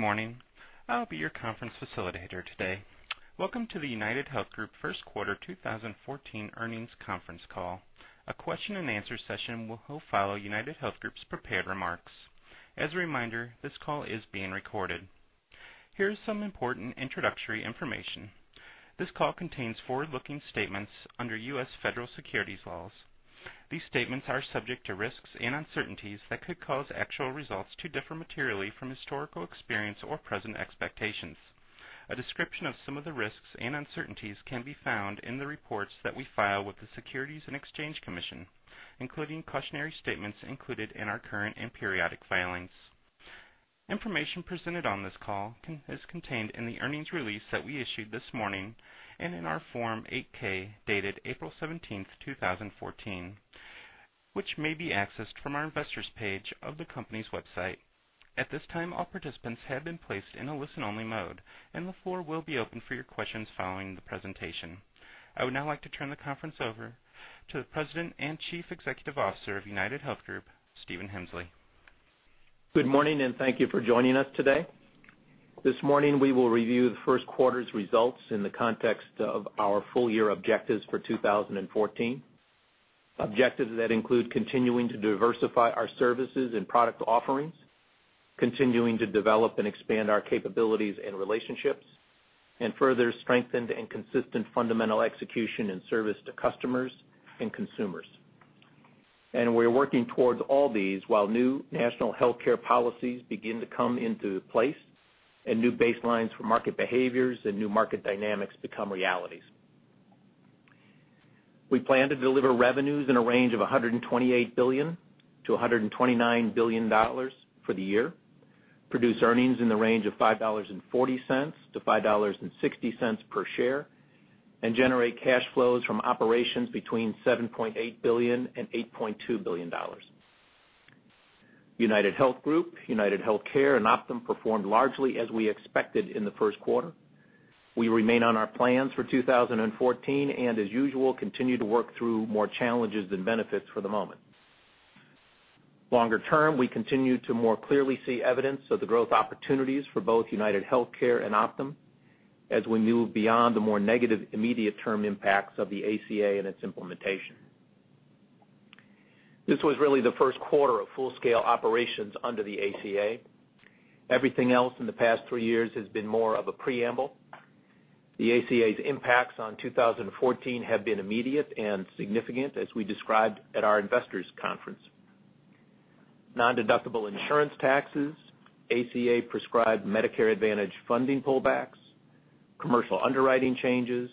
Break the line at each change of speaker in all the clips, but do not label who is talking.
Good morning. I'll be your conference facilitator today. Welcome to the UnitedHealth Group first quarter 2014 earnings conference call. A question and answer session will follow UnitedHealth Group's prepared remarks. As a reminder, this call is being recorded. Here's some important introductory information. This call contains forward-looking statements under U.S. federal securities laws. These statements are subject to risks and uncertainties that could cause actual results to differ materially from historical experience or present expectations. A description of some of the risks and uncertainties can be found in the reports that we file with the Securities and Exchange Commission, including cautionary statements included in our current and periodic filings. Information presented on this call is contained in the earnings release that we issued this morning and in our Form 8-K, dated April 17th, 2014, which may be accessed from our investors page of the company's website. At this time, all participants have been placed in a listen-only mode, and the floor will be open for your questions following the presentation. I would now like to turn the conference over to the President and Chief Executive Officer of UnitedHealth Group, Stephen Hemsley.
Good morning, and thank you for joining us today. This morning, we will review the first quarter's results in the context of our full-year objectives for 2014. Objectives that include continuing to diversify our services and product offerings, continuing to develop and expand our capabilities and relationships, and further strengthened and consistent fundamental execution and service to customers and consumers. We're working towards all these while new national healthcare policies begin to come into place and new baselines for market behaviors and new market dynamics become realities. We plan to deliver revenues in a range of $128 billion to $129 billion for the year, produce earnings in the range of $5.40 to $5.60 per share, and generate cash flows from operations between $7.8 billion and $8.2 billion. UnitedHealth Group, UnitedHealthcare, and Optum performed largely as we expected in the first quarter. We remain on our plans for 2014 and as usual, continue to work through more challenges than benefits for the moment. Longer term, we continue to more clearly see evidence of the growth opportunities for both UnitedHealthcare and Optum as we move beyond the more negative immediate term impacts of the ACA and its implementation. This was really the first quarter of full-scale operations under the ACA. Everything else in the past three years has been more of a preamble. The ACA's impacts on 2014 have been immediate and significant, as we described at our investors conference. Non-deductible insurance taxes, ACA prescribed Medicare Advantage funding pullbacks, commercial underwriting changes,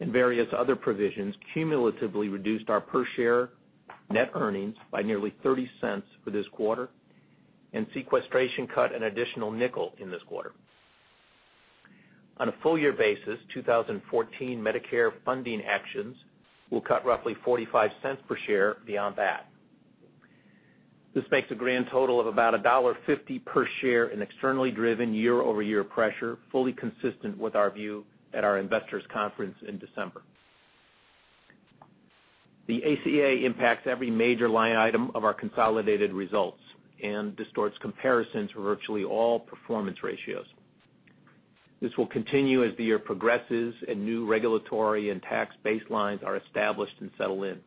and various other provisions cumulatively reduced our per-share net earnings by nearly $0.30 for this quarter, and sequestration cut an additional $0.05 in this quarter. On a full-year basis, 2014 Medicare funding actions will cut roughly $0.45 per share beyond that. This makes a grand total of about $1.50 per share in externally driven year-over-year pressure, fully consistent with our view at our investors conference in December. The ACA impacts every major line item of our consolidated results and distorts comparisons for virtually all performance ratios. This will continue as the year progresses and new regulatory and tax baselines are established and settle in.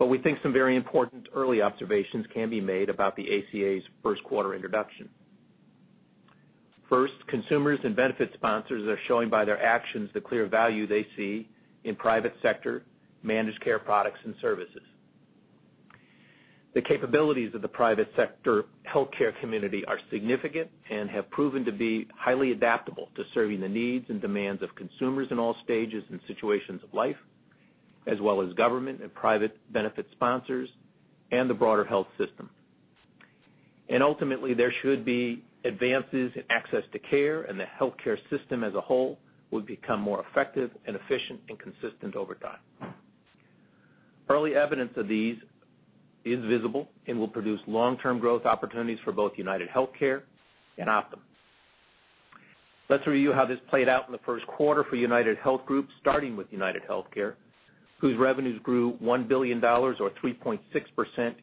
We think some very important early observations can be made about the ACA's first-quarter introduction. First, consumers and benefit sponsors are showing by their actions the clear value they see in private sector managed care products and services. The capabilities of the private sector healthcare community are significant and have proven to be highly adaptable to serving the needs and demands of consumers in all stages and situations of life, as well as government and private benefit sponsors and the broader health system. Ultimately, there should be advances in access to care, and the healthcare system as a whole would become more effective and efficient and consistent over time. Early evidence of these is visible and will produce long-term growth opportunities for both UnitedHealthcare and Optum. Let's review how this played out in the first quarter for UnitedHealth Group, starting with UnitedHealthcare, whose revenues grew $1 billion or 3.6%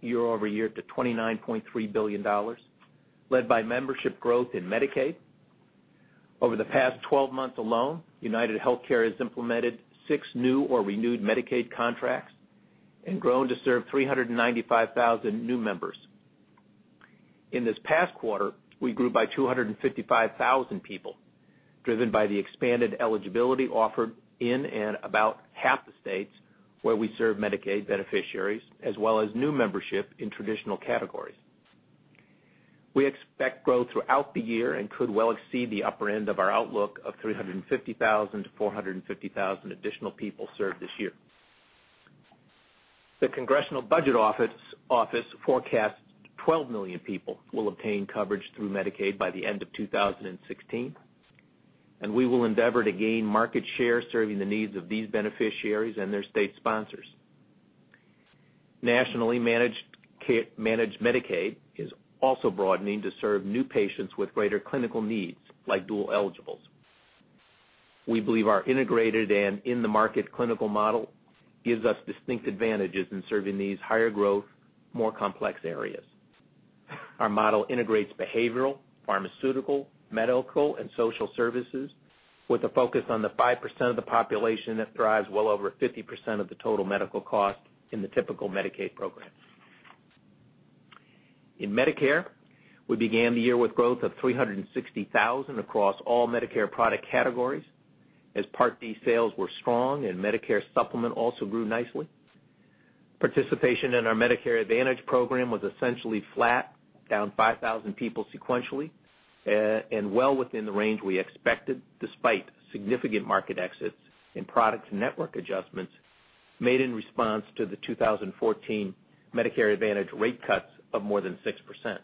year-over-year to $29.3 billion, led by membership growth in Medicaid. Over the past 12 months alone, UnitedHealthcare has implemented six new or renewed Medicaid contracts and grown to serve 395,000 new members. In this past quarter, we grew by 255,000 people, driven by the expanded eligibility offered in and about half the states where we serve Medicaid beneficiaries as well as new membership in traditional categories. We expect growth throughout the year and could well exceed the upper end of our outlook of 350,000-450,000 additional people served this year. The Congressional Budget Office forecasts 12 million people will obtain coverage through Medicaid by the end of 2016. We will endeavor to gain market share serving the needs of these beneficiaries and their state sponsors. Nationally managed Medicaid is also broadening to serve new patients with greater clinical needs, like dual eligibles. We believe our integrated and in-the-market clinical model gives us distinct advantages in serving these higher growth, more complex areas. Our model integrates behavioral, pharmaceutical, medical, and social services with a focus on the 5% of the population that drives well over 50% of the total medical cost in the typical Medicaid program. In Medicare, we began the year with growth of 360,000 across all Medicare product categories as Part D sales were strong and Medicare Supplement also grew nicely. Participation in our Medicare Advantage program was essentially flat, down 5,000 people sequentially, and well within the range we expected, despite significant market exits and product network adjustments made in response to the 2014 Medicare Advantage rate cuts of more than 6%.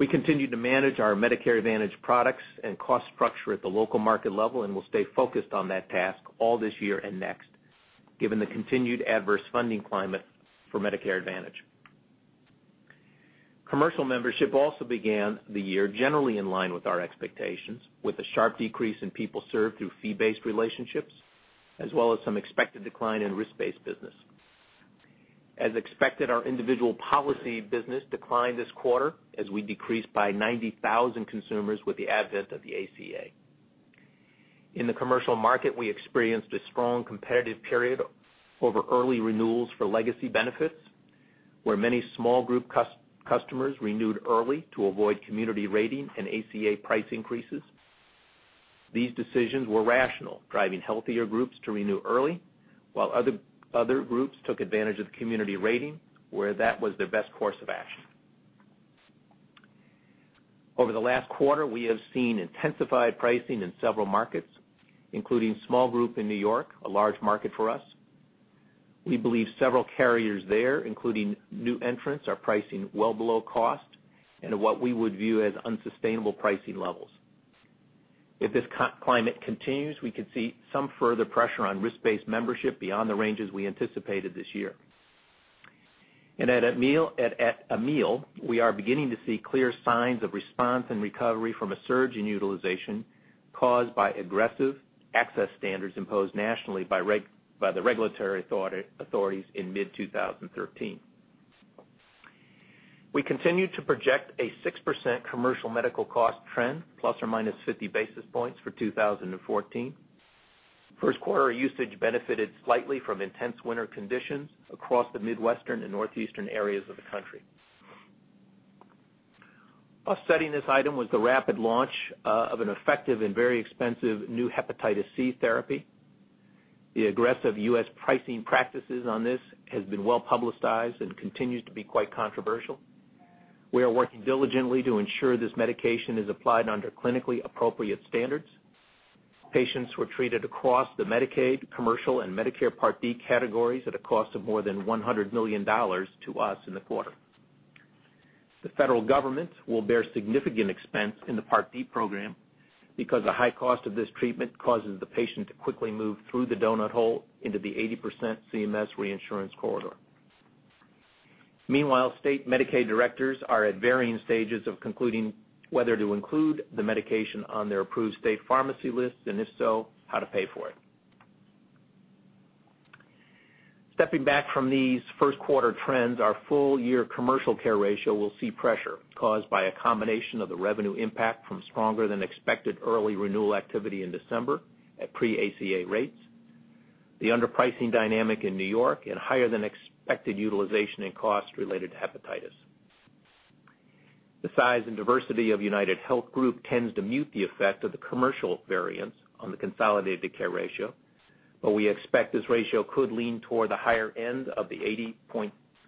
We continue to manage our Medicare Advantage products and cost structure at the local market level. We'll stay focused on that task all this year and next, given the continued adverse funding climate for Medicare Advantage. Commercial membership also began the year generally in line with our expectations, with a sharp decrease in people served through fee-based relationships, as well as some expected decline in risk-based business. As expected, our individual policy business declined this quarter, as we decreased by 90,000 consumers with the advent of the ACA. In the commercial market, we experienced a strong competitive period over early renewals for legacy benefits, where many small group customers renewed early to avoid community rating and ACA price increases. These decisions were rational, driving healthier groups to renew early, while other groups took advantage of community rating where that was their best course of action. Over the last quarter, we have seen intensified pricing in several markets, including small group in N.Y., a large market for us. We believe several carriers there, including new entrants, are pricing well below cost into what we would view as unsustainable pricing levels. If this climate continues, we could see some further pressure on risk-based membership beyond the ranges we anticipated this year. At Amil, we are beginning to see clear signs of response and recovery from a surge in utilization caused by aggressive access standards imposed nationally by the regulatory authorities in mid-2013. We continue to project a 6% commercial medical cost trend, ±50 basis points for 2014. First quarter usage benefited slightly from intense winter conditions across the Midwestern and Northeastern areas of the country. Offsetting this item was the rapid launch of an effective and very expensive new hepatitis C therapy. The aggressive U.S. pricing practices on this has been well-publicized and continues to be quite controversial. We are working diligently to ensure this medication is applied under clinically appropriate standards. Patients were treated across the Medicaid, commercial, and Medicare Part D categories at a cost of more than $100 million to us in the quarter. The federal government will bear significant expense in the Part D program because the high cost of this treatment causes the patient to quickly move through the donut hole into the 80% CMS reinsurance corridor. Meanwhile, state Medicaid directors are at varying stages of concluding whether to include the medication on their approved state pharmacy list, and if so, how to pay for it. Stepping back from these first-quarter trends, our full-year commercial care ratio will see pressure caused by a combination of the revenue impact from stronger than expected early renewal activity in December at pre-ACA rates, the underpricing dynamic in N.Y., and higher than expected utilization and cost related to hepatitis. The size and diversity of UnitedHealth Group tends to mute the effect of the commercial variance on the consolidated care ratio, we expect this ratio could lean toward the higher end of the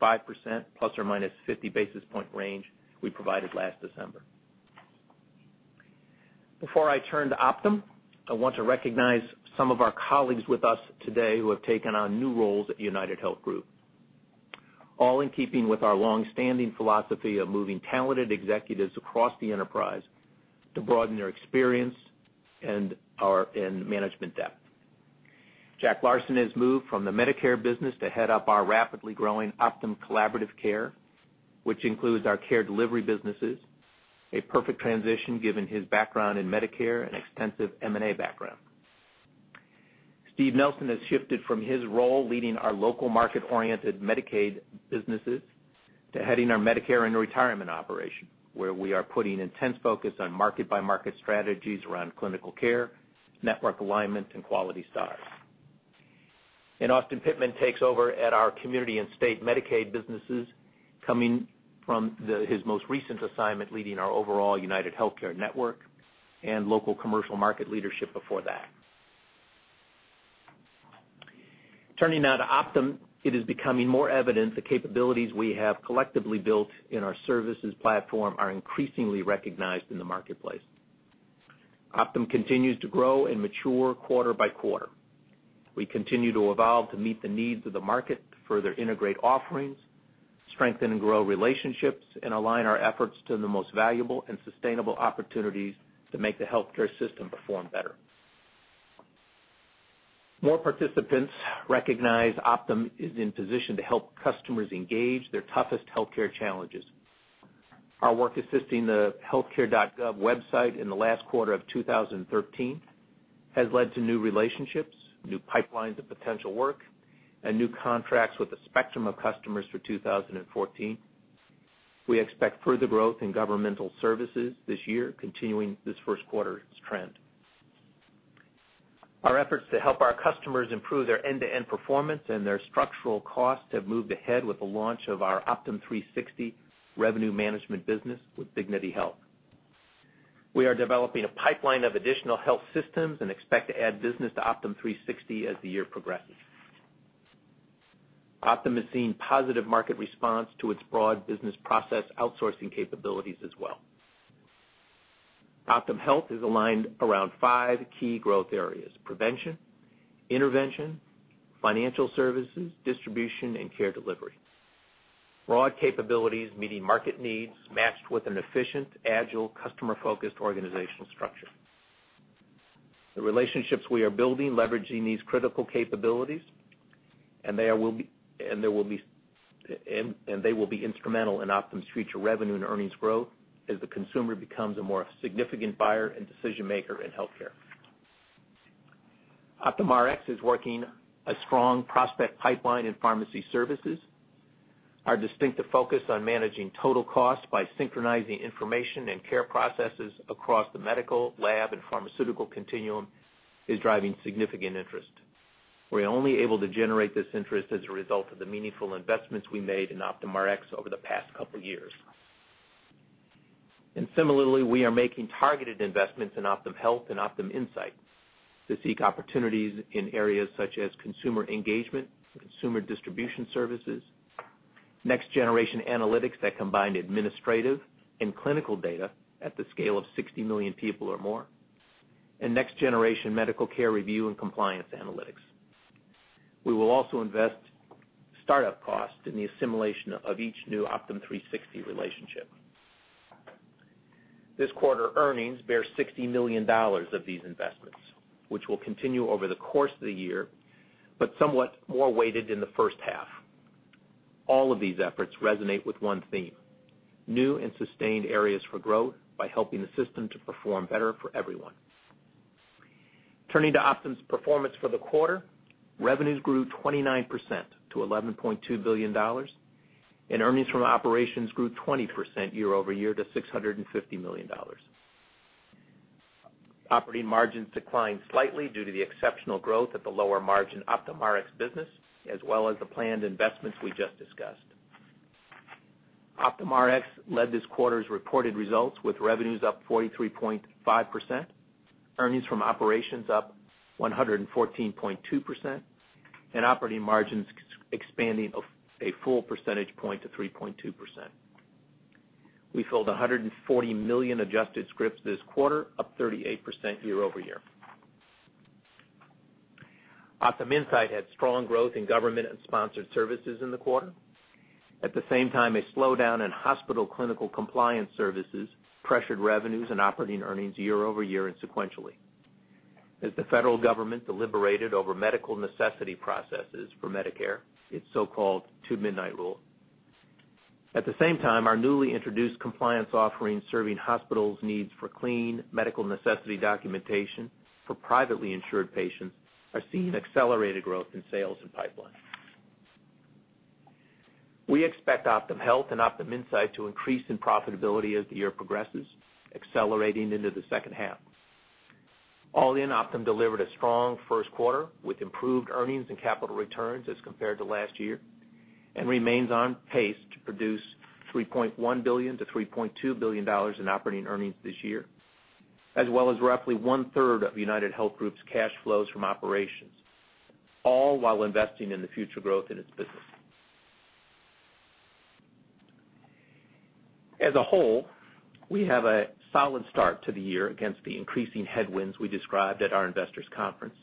80.5%, ±50 basis point range we provided last December. Before I turn to Optum, I want to recognize some of our colleagues with us today who have taken on new roles at UnitedHealth Group, all in keeping with our long-standing philosophy of moving talented executives across the enterprise to broaden their experience and management depth. Jack Larsen has moved from the Medicare business to head up our rapidly growing Optum Collaborative Care, which includes our care delivery businesses, a perfect transition given his background in Medicare and extensive M&A background. Steve Nelson has shifted from his role leading our local market-oriented Medicaid businesses to heading our Medicare & Retirement operation, where we are putting intense focus on market-by-market strategies around clinical care, network alignment, and quality stars. Austin Pittman takes over at our Community & State Medicaid businesses, coming from his most recent assignment, leading our overall UnitedHealthcare Network and local commercial market leadership before that. Turning now to Optum, it is becoming more evident the capabilities we have collectively built in our services platform are increasingly recognized in the marketplace. Optum continues to grow and mature quarter by quarter. We continue to evolve to meet the needs of the market to further integrate offerings, strengthen and grow relationships, and align our efforts to the most valuable and sustainable opportunities to make the healthcare system perform better. More participants recognize Optum is in position to help customers engage their toughest healthcare challenges. Our work assisting the HealthCare.gov website in the last quarter of 2013 has led to new relationships, new pipelines of potential work, and new contracts with a spectrum of customers for 2014. We expect further growth in governmental services this year, continuing this first quarter's trend. Our efforts to help our customers improve their end-to-end performance and their structural costs have moved ahead with the launch of our Optum360 Revenue Management business with Dignity Health. We are developing a pipeline of additional health systems and expect to add business to Optum360 as the year progresses. Optum is seeing positive market response to its broad business process outsourcing capabilities as well. OptumHealth is aligned around five key growth areas: prevention, intervention, financial services, distribution, and care delivery. Broad capabilities meeting market needs, matched with an efficient, agile, customer-focused organizational structure. The relationships we are building leveraging these critical capabilities, and they will be instrumental in Optum's future revenue and earnings growth as the consumer becomes a more significant buyer and decision-maker in healthcare. OptumRx is working a strong prospect pipeline in pharmacy services. Our distinctive focus on managing total cost by synchronizing information and care processes across the medical, lab, and pharmaceutical continuum is driving significant interest. We are only able to generate this interest as a result of the meaningful investments we made in OptumRx over the past couple years. Similarly, we are making targeted investments in OptumHealth and OptumInsight to seek opportunities in areas such as consumer engagement, consumer distribution services, next generation analytics that combine administrative and clinical data at the scale of 60 million people or more, and next generation medical care review and compliance analytics. We will also invest startup costs in the assimilation of each new Optum360 relationship. This quarter, earnings bear $60 million of these investments, which will continue over the course of the year, but somewhat more weighted in the first half. All of these efforts resonate with one theme, new and sustained areas for growth by helping the system to perform better for everyone. Turning to Optum's performance for the quarter, revenues grew 29% to $11.2 billion, and earnings from operations grew 20% year-over-year to $650 million. Operating margins declined slightly due to the exceptional growth at the lower margin OptumRx business, as well as the planned investments we just discussed. OptumRx led this quarter's reported results with revenues up 43.5%, earnings from operations up 114.2%, and operating margins expanding a full percentage point to 3.2%. We filled 140 million adjusted scripts this quarter, up 38% year-over-year. OptumInsight had strong growth in government and sponsored services in the quarter. At the same time, a slowdown in hospital clinical compliance services pressured revenues and operating earnings year-over-year and sequentially, as the federal government deliberated over medical necessity processes for Medicare, its so-called two-midnight rule. At the same time, our newly introduced compliance offering, serving hospitals' needs for clean medical necessity documentation for privately insured patients, are seeing accelerated growth in sales and pipeline. We expect OptumHealth and OptumInsight to increase in profitability as the year progresses, accelerating into the second half. All in Optum delivered a strong first quarter with improved earnings and capital returns as compared to last year and remains on pace to produce $3.1 billion-$3.2 billion in operating earnings this year, as well as roughly one-third of UnitedHealth Group's cash flows from operations, all while investing in the future growth in its business. As a whole, we have a solid start to the year against the increasing headwinds we described at our investors' conference.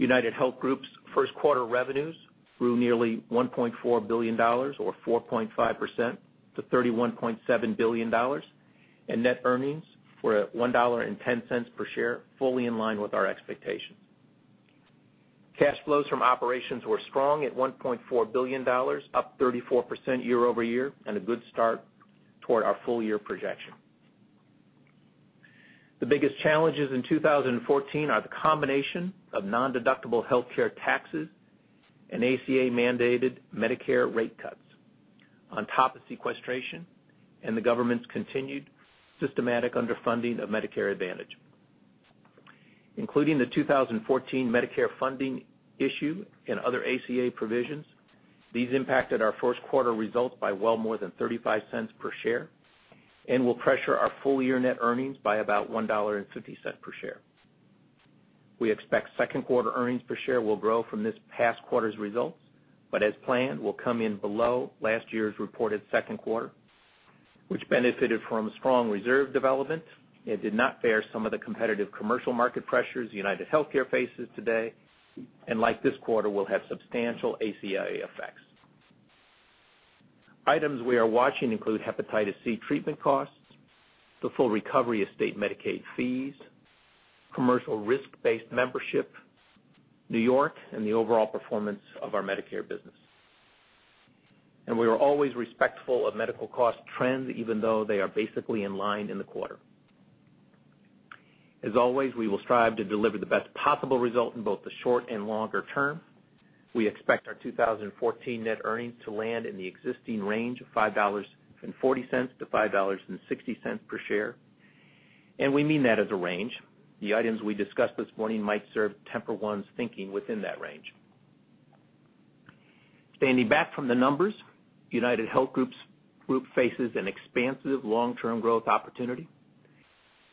UnitedHealth Group's first quarter revenues grew nearly $1.4 billion, or 4.5% to $31.7 billion, and net earnings were at $1.10 per share, fully in line with our expectations. Cash flows from operations were strong at $1.4 billion, up 34% year-over-year, and a good start toward our full year projection. The biggest challenges in 2014 are the combination of non-deductible healthcare taxes and ACA-mandated Medicare rate cuts on top of sequestration and the government's continued systematic underfunding of Medicare Advantage. Including the 2014 Medicare funding issue and other ACA provisions, these impacted our first quarter results by well more than $0.35 per share and will pressure our full year net earnings by about $1.50 per share. We expect second quarter earnings per share will grow from this past quarter's results, but as planned, will come in below last year's reported second quarter, which benefited from strong reserve development and did not bear some of the competitive commercial market pressures UnitedHealthcare faces today, and like this quarter, will have substantial ACA effects. Items we are watching include hepatitis C treatment costs, the full recovery of state Medicaid fees, commercial risk-based membership, New York, and the overall performance of our Medicare business. We are always respectful of medical cost trends, even though they are basically in line in the quarter. As always, we will strive to deliver the best possible result in both the short and longer term. We expect our 2014 net earnings to land in the existing range of $5.40-$5.60 per share. We mean that as a range. The items we discussed this morning might serve to temper one's thinking within that range. Standing back from the numbers, UnitedHealth Group faces an expansive long-term growth opportunity.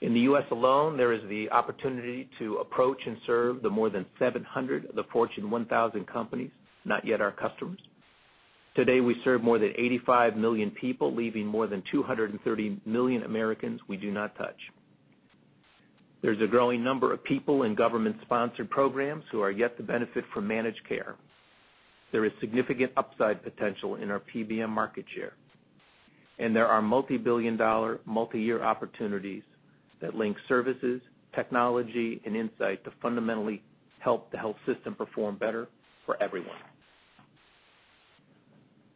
In the U.S. alone, there is the opportunity to approach and serve the more than 700 of the Fortune 1000 companies, not yet our customers. Today, we serve more than 85 million people, leaving more than 230 million Americans we do not touch. There's a growing number of people in government-sponsored programs who are yet to benefit from managed care. There is significant upside potential in our PBM market share. There are multi-billion dollar, multi-year opportunities that link services, technology, and insight to fundamentally help the health system perform better for everyone.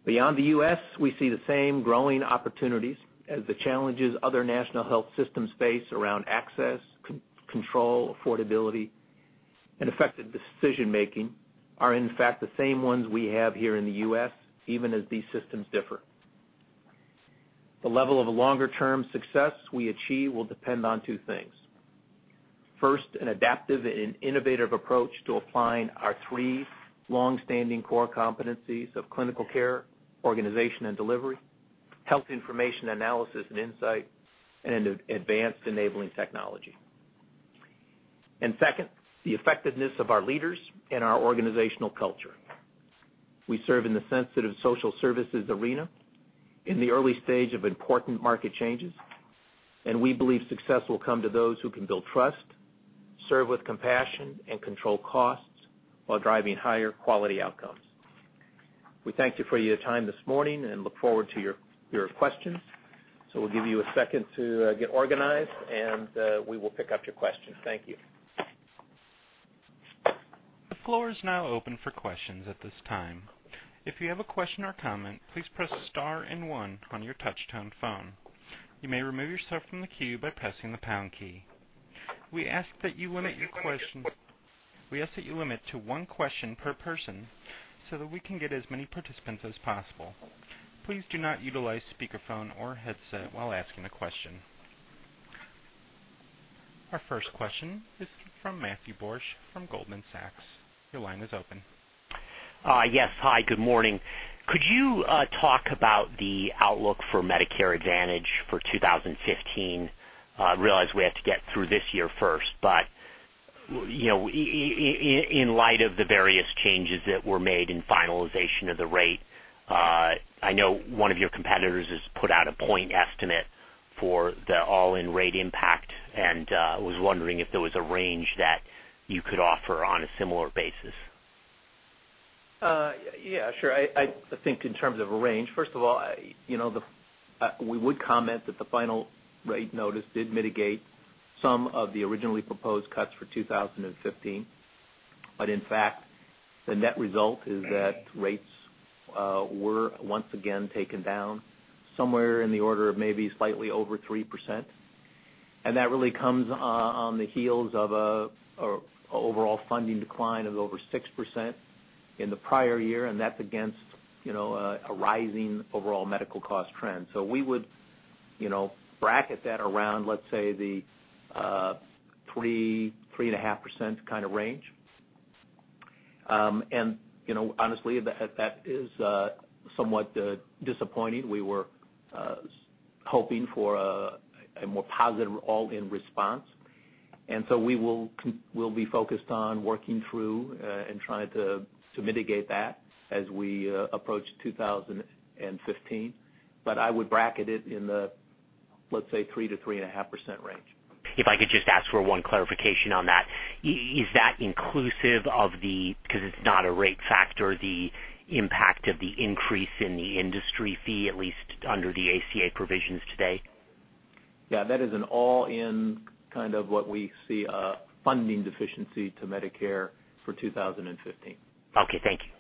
Beyond the U.S., we see the same growing opportunities as the challenges other national health systems face around access, control, affordability, and effective decision-making are in fact the same ones we have here in the U.S., even as these systems differ. The level of longer-term success we achieve will depend on two things. First, an adaptive and innovative approach to applying our three long-standing core competencies of clinical care, organization and delivery, health information analysis and insight, and advanced enabling technology. Second, the effectiveness of our leaders and our organizational culture. We serve in the sensitive social services arena in the early stage of important market changes, and we believe success will come to those who can build trust, serve with compassion, and control costs while driving higher quality outcomes. We thank you for your time this morning and look forward to your questions. We'll give you a second to get organized, and we will pick up your questions. Thank you.
The floor is now open for questions at this time. If you have a question or comment, please press star and one on your touch-tone phone. You may remove yourself from the queue by pressing the pound key. We ask that you limit to one question per person so that we can get as many participants as possible. Please do not utilize speakerphone or headset while asking a question. Our first question is from Matthew Borsch from Goldman Sachs. Your line is open.
Yes. Hi, good morning. Could you talk about the outlook for Medicare Advantage for 2015? I realize we have to get through this year first, but in light of the various changes that were made in finalization of the rate, I know one of your competitors has put out a point estimate for the all-in rate impact, and I was wondering if there was a range that you could offer on a similar basis.
Yeah, sure. I think in terms of a range, first of all, we would comment that the final rate notice did mitigate some of the originally proposed cuts for 2015. In fact, the net result is that rates were once again taken down somewhere in the order of maybe slightly over 3%. That really comes on the heels of an overall funding decline of over 6% in the prior year, and that's against a rising overall medical cost trend. We would bracket that around, let's say, the 3%-3.5% range. Honestly, that is somewhat disappointing. We were hoping for a more positive all-in response. We'll be focused on working through and trying to mitigate that as we approach 2015. I would bracket it in the, let's say, 3%-3.5% range.
If I could just ask for one clarification on that. Is that inclusive of the, because it's not a rate factor, the impact of the increase in the industry fee, at least under the ACA provisions today?
Yeah, that is an all-in kind of what we see a funding deficiency to Medicare for 2015.
Okay, thank you.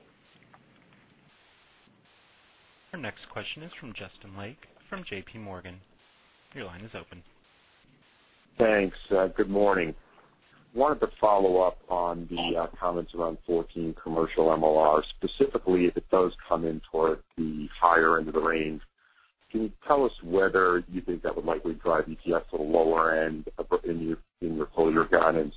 Our next question is from Justin Lake from J.P. Morgan. Your line is open.
Thanks. Good morning. Wanted to follow up on the comments around 2014 commercial MLR, specifically if it does come in toward the higher end of the range. Can you tell us whether you think that would likely drive EPS to the lower end in your full-year guidance?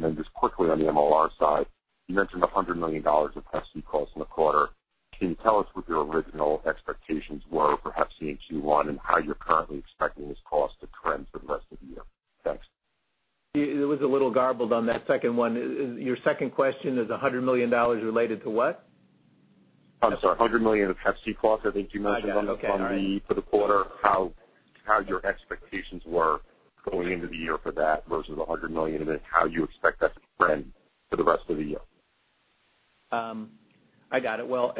Then just quickly on the MLR side, you mentioned $100 million of Hep C costs in the quarter. Can you tell us what your original expectations were for Hep C in Q1 and how you're currently expecting this cost to trend for the rest of the year? Thanks.
It was a little garbled on that second one. Your second question is $100 million related to what?
I'm sorry, $100 million of Hep C cost, I think you mentioned.
I got it. Okay. All right
for the quarter, how your expectations were going into the year for that versus the $100 million, and then how you expect that to trend for the rest of the year.
I got it. Well,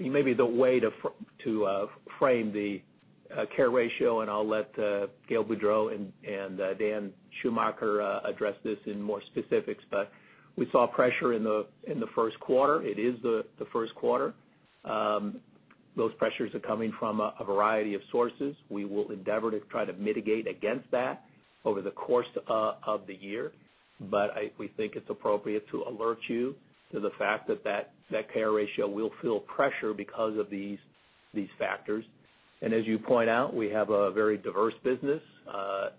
maybe the way to frame the care ratio, and I'll let Gail Boudreaux and Dan Schumacher address this in more specifics, but we saw pressure in the first quarter. It is the first quarter. Those pressures are coming from a variety of sources. We will endeavor to try to mitigate against that over the course of the year. We think it's appropriate to alert you to the fact that care ratio will feel pressure because of these factors. As you point out, we have a very diverse business,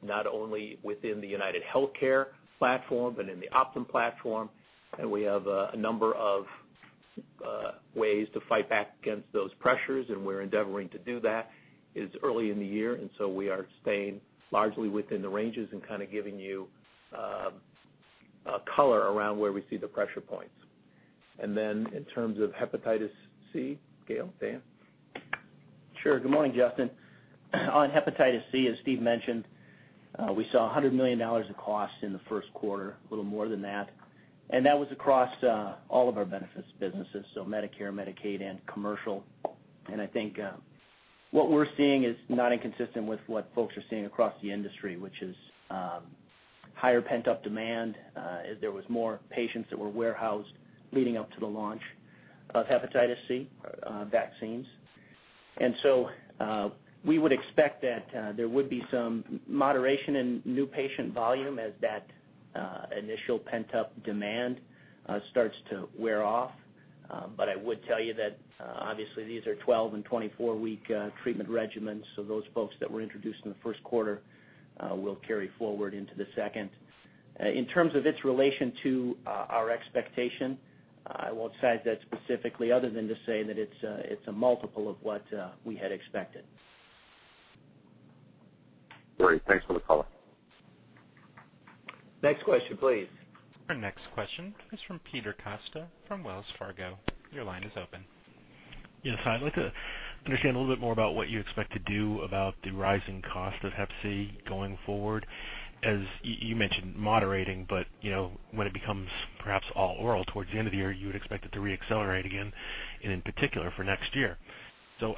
not only within the UnitedHealthcare platform but in the Optum platform, and we have a number of ways to fight back against those pressures, and we're endeavoring to do that. It's early in the year, and so we are staying largely within the ranges and kind of giving you color around where we see the pressure points. In terms of hepatitis C, Gail, Dan?
Sure. Good morning, Justin. On hepatitis C, as Steve mentioned, we saw $100 million of costs in the first quarter, a little more than that. That was across all of our benefits businesses, so Medicare, Medicaid, and commercial. I think what we're seeing is not inconsistent with what folks are seeing across the industry, which is higher pent-up demand, as there was more patients that were warehoused leading up to the launch of hepatitis C treatments. We would expect that there would be some moderation in new patient volume as that initial pent-up demand starts to wear off. I would tell you that obviously these are 12 and 24-week treatment regimens, so those folks that were introduced in the first quarter will carry forward into the second. In terms of its relation to our expectation, I won't size that specifically other than to say that it's a multiple of what we had expected.
Great. Thanks for the color.
Next question, please.
Our next question is from Peter Costa from Wells Fargo. Your line is open.
Yes. I'd like to understand a little bit more about what you expect to do about the rising cost of Hep C going forward. As you mentioned, moderating, when it becomes perhaps all oral towards the end of the year, you would expect it to re-accelerate again, and in particular for next year.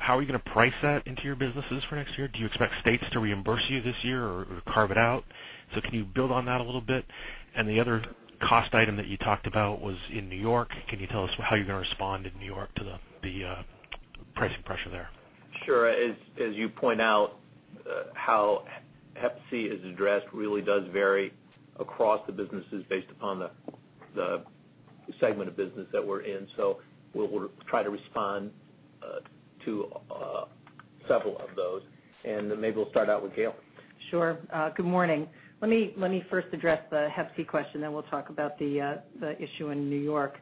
How are you going to price that into your businesses for next year? Do you expect states to reimburse you this year or carve it out? Can you build on that a little bit? The other cost item that you talked about was in New York. Can you tell us how you're going to respond in New York to the pricing pressure there?
Sure. As you point out, how Hep C is addressed really does vary across the businesses based upon the segment of business that we're in. We'll try to respond to several of those, and maybe we'll start out with Gail.
Sure. Good morning. Let me first address the Hep C question, we'll talk about the issue in New York.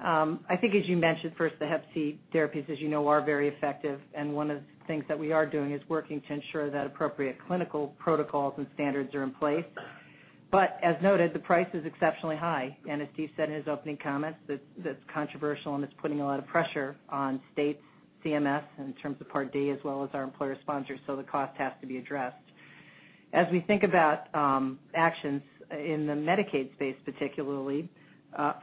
I think as you mentioned first, the Hep C therapies, as you know, are very effective, and one of the things that we are doing is working to ensure that appropriate clinical protocols and standards are in place. As noted, the price is exceptionally high. As Steve said in his opening comments, that's controversial and it's putting a lot of pressure on states, CMS, in terms of Part D, as well as our employer sponsors, the cost has to be addressed. As we think about actions in the Medicaid space, particularly,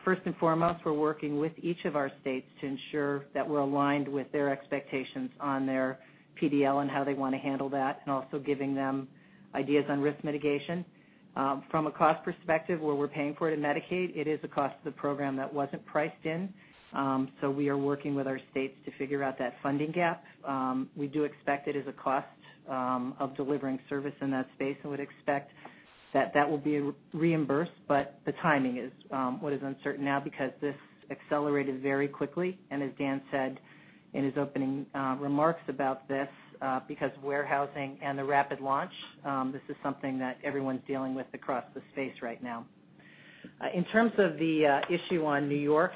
first and foremost, we're working with each of our states to ensure that we're aligned with their expectations on their PDL and how they want to handle that, and also giving them ideas on risk mitigation. From a cost perspective, where we're paying for it in Medicaid, it is a cost to the program that wasn't priced in. We are working with our states to figure out that funding gap. We do expect it is a cost of delivering service in that space and would expect that that will be reimbursed, but the timing is what is uncertain now because this accelerated very quickly. As Dan said in his opening remarks about this, because of warehousing and the rapid launch, this is something that everyone's dealing with across the space right now. In terms of the issue on New York,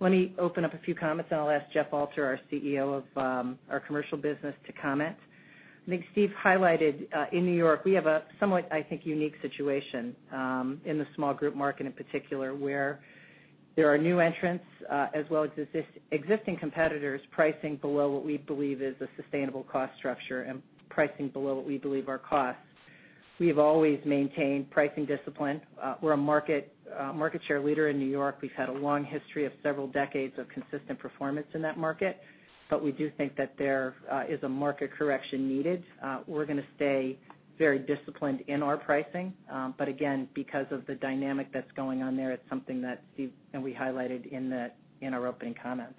let me open up a few comments, and I'll ask Jeff Alter, our CEO of our commercial business, to comment. I think Steve highlighted, in New York, we have a somewhat unique situation in the small group market in particular, where there are new entrants as well as existing competitors pricing below what we believe is a sustainable cost structure and pricing below what we believe are costs. We've always maintained pricing discipline. We're a market share leader in New York. We've had a long history of several decades of consistent performance in that market, we do think that there is a market correction needed. We're going to stay very disciplined in our pricing. Again, because of the dynamic that's going on there, it's something that Steve and we highlighted in our opening comments.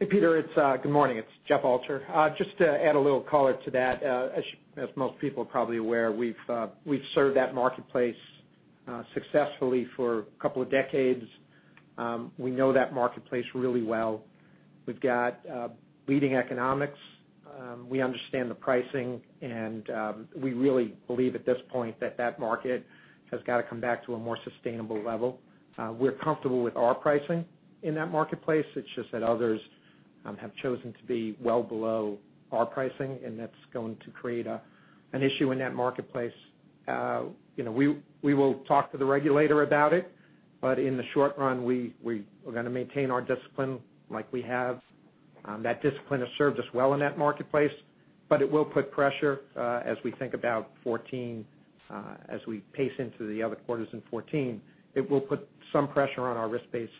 Hey, Peter, good morning. It's Jeff Alter. Just to add a little color to that, as most people are probably aware, we've served that marketplace successfully for a couple of decades. We know that marketplace really well. We've got leading economics. We understand the pricing, and we really believe at this point that that market has got to come back to a more sustainable level. We're comfortable with our pricing in that marketplace. It's just that others have chosen to be well below our pricing, and that's going to create an issue in that marketplace. We will talk to the regulator about it, in the short run, we are going to maintain our discipline like we have. That discipline has served us well in that marketplace, it will put pressure as we think about 2014. As we pace into the other quarters in 2014, it will put some pressure on our risk-based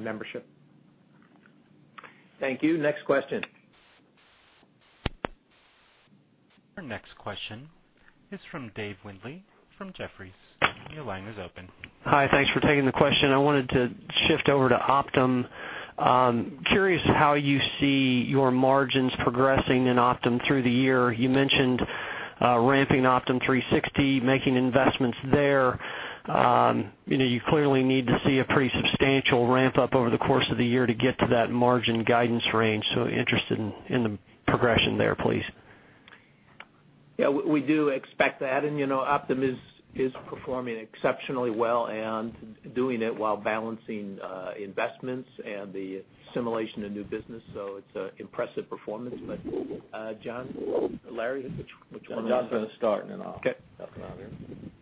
membership.
Thank you. Next question.
Our next question is from Dave Windley from Jefferies. Your line is open.
Hi. Thanks for taking the question. I wanted to shift over to Optum. Curious how you see your margins progressing in Optum through the year. You mentioned ramping Optum360, making investments there. You clearly need to see a pretty substantial ramp up over the course of the year to get to that margin guidance range. Interested in the progression there, please.
Yeah, we do expect that. Optum is performing exceptionally well and doing it while balancing investments and the assimilation of new business. It's impressive performance. John, Larry, which one of you?
John's going to start.
Okay
Hop on here.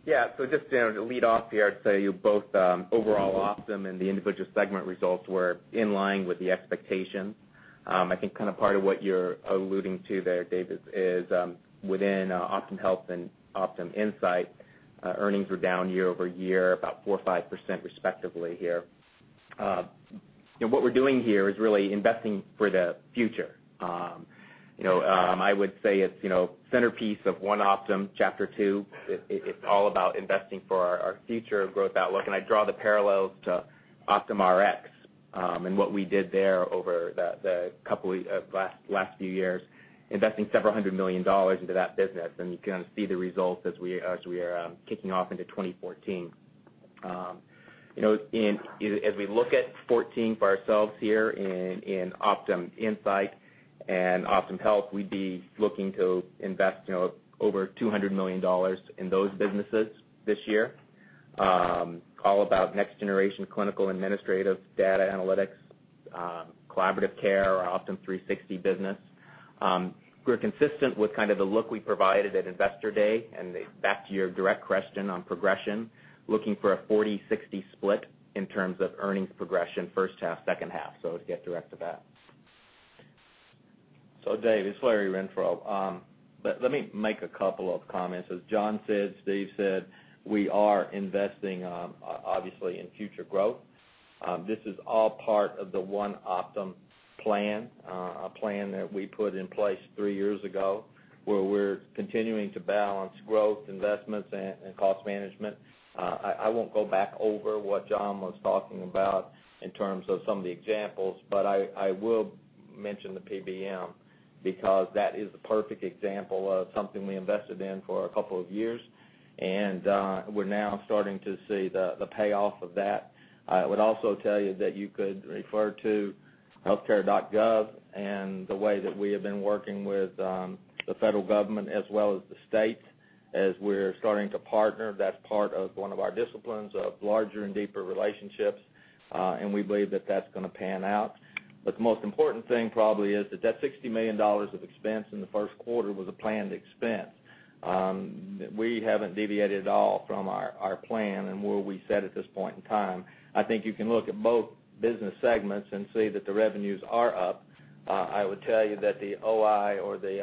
Yeah. Just to lead off here, I'd say both overall Optum and the individual segment results were in line with the expectations. I think part of what you're alluding to there, Dave, is within Optum Health and Optum Insight, earnings were down year-over-year about 4% or 5% respectively here. What we're doing here is really investing for the future. I would say it's centerpiece of One Optum, Chapter Two. It's all about investing for our future growth outlook. I draw the parallels to Optum Rx, and what we did there over the last few years, investing several hundred million dollars into that business. You can see the results as we are kicking off into 2014. As we look at 2014 for ourselves here in Optum Insight and Optum Health, we'd be looking to invest over $200 million in those businesses this year. All about next generation clinical administrative data analytics, Collaborative Care, our Optum360 business. We're consistent with the look we provided at Investor Day. Back to your direct question on progression, looking for a 40-60 split in terms of earnings progression first half, second half. To get direct to that.
Dave, it's Larry Renfro. Let me make a couple of comments. As John said, Steve said, we are investing, obviously, in future growth. This is all part of the One Optum plan, a plan that we put in place three years ago, where we're continuing to balance growth investments and cost management. I won't go back over what John was talking about in terms of some of the examples, but I will mention the PBM because that is the perfect example of something we invested in for a couple of years, and we're now starting to see the payoff of that. I would also tell you that you could refer to healthcare.gov and the way that we have been working with the Federal Government as well as the states, as we're starting to partner. That's part of one of our disciplines of larger and deeper relationships. We believe that that's going to pan out. The most important thing probably is that $60 million of expense in the first quarter was a planned expense. We haven't deviated at all from our plan and where we said at this point in time. I think you can look at both business segments and see that the revenues are up. I would tell you that the OI or the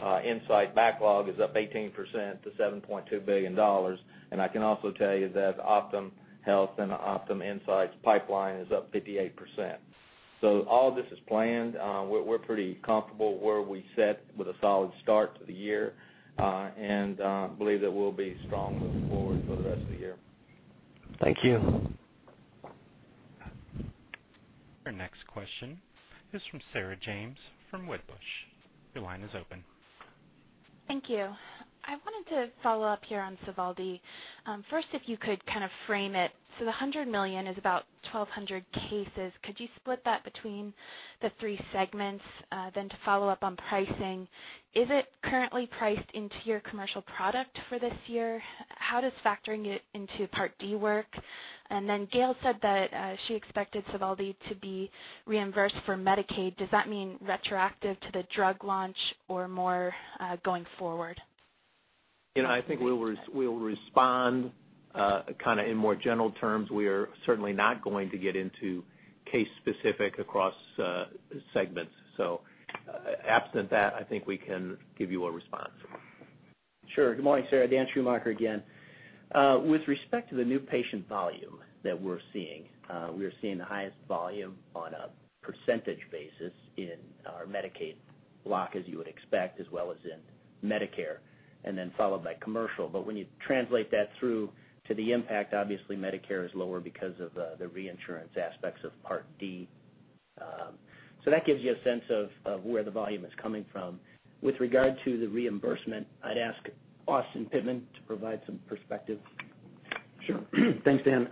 OptumInsight backlog is up 18% to $7.2 billion. I can also tell you that OptumHealth and OptumInsight's pipeline is up 58%. All this is planned. We're pretty comfortable where we sit with a solid start to the year, and believe that we'll be strong moving forward for the rest of the year.
Thank you.
Our next question is from Sarah James from Wedbush. Your line is open.
Thank you. I wanted to follow up here on SOVALDI. First, if you could frame it. The $100 million is about 1,200 cases. Could you split that between the three segments? To follow up on pricing, is it currently priced into your commercial product for this year? How does factoring it into Part D work? Gail said that she expected SOVALDI to be reimbursed for Medicaid. Does that mean retroactive to the drug launch or more going forward?
I think we'll respond in more general terms. We are certainly not going to get into case specific across segments. Absent that, I think we can give you a response.
Sure. Good morning, Sarah. Dan Schumacher again. With respect to the new patient volume that we're seeing, we are seeing the highest volume on a percentage basis in our Medicaid block, as you would expect, as well as in Medicare, and then followed by commercial. When you translate that through to the impact, obviously Medicare is lower because of the reinsurance aspects of Part D. That gives you a sense of where the volume is coming from. With regard to the reimbursement, I'd ask Austin Pittman to provide some perspective.
Sure. Thanks, Dan.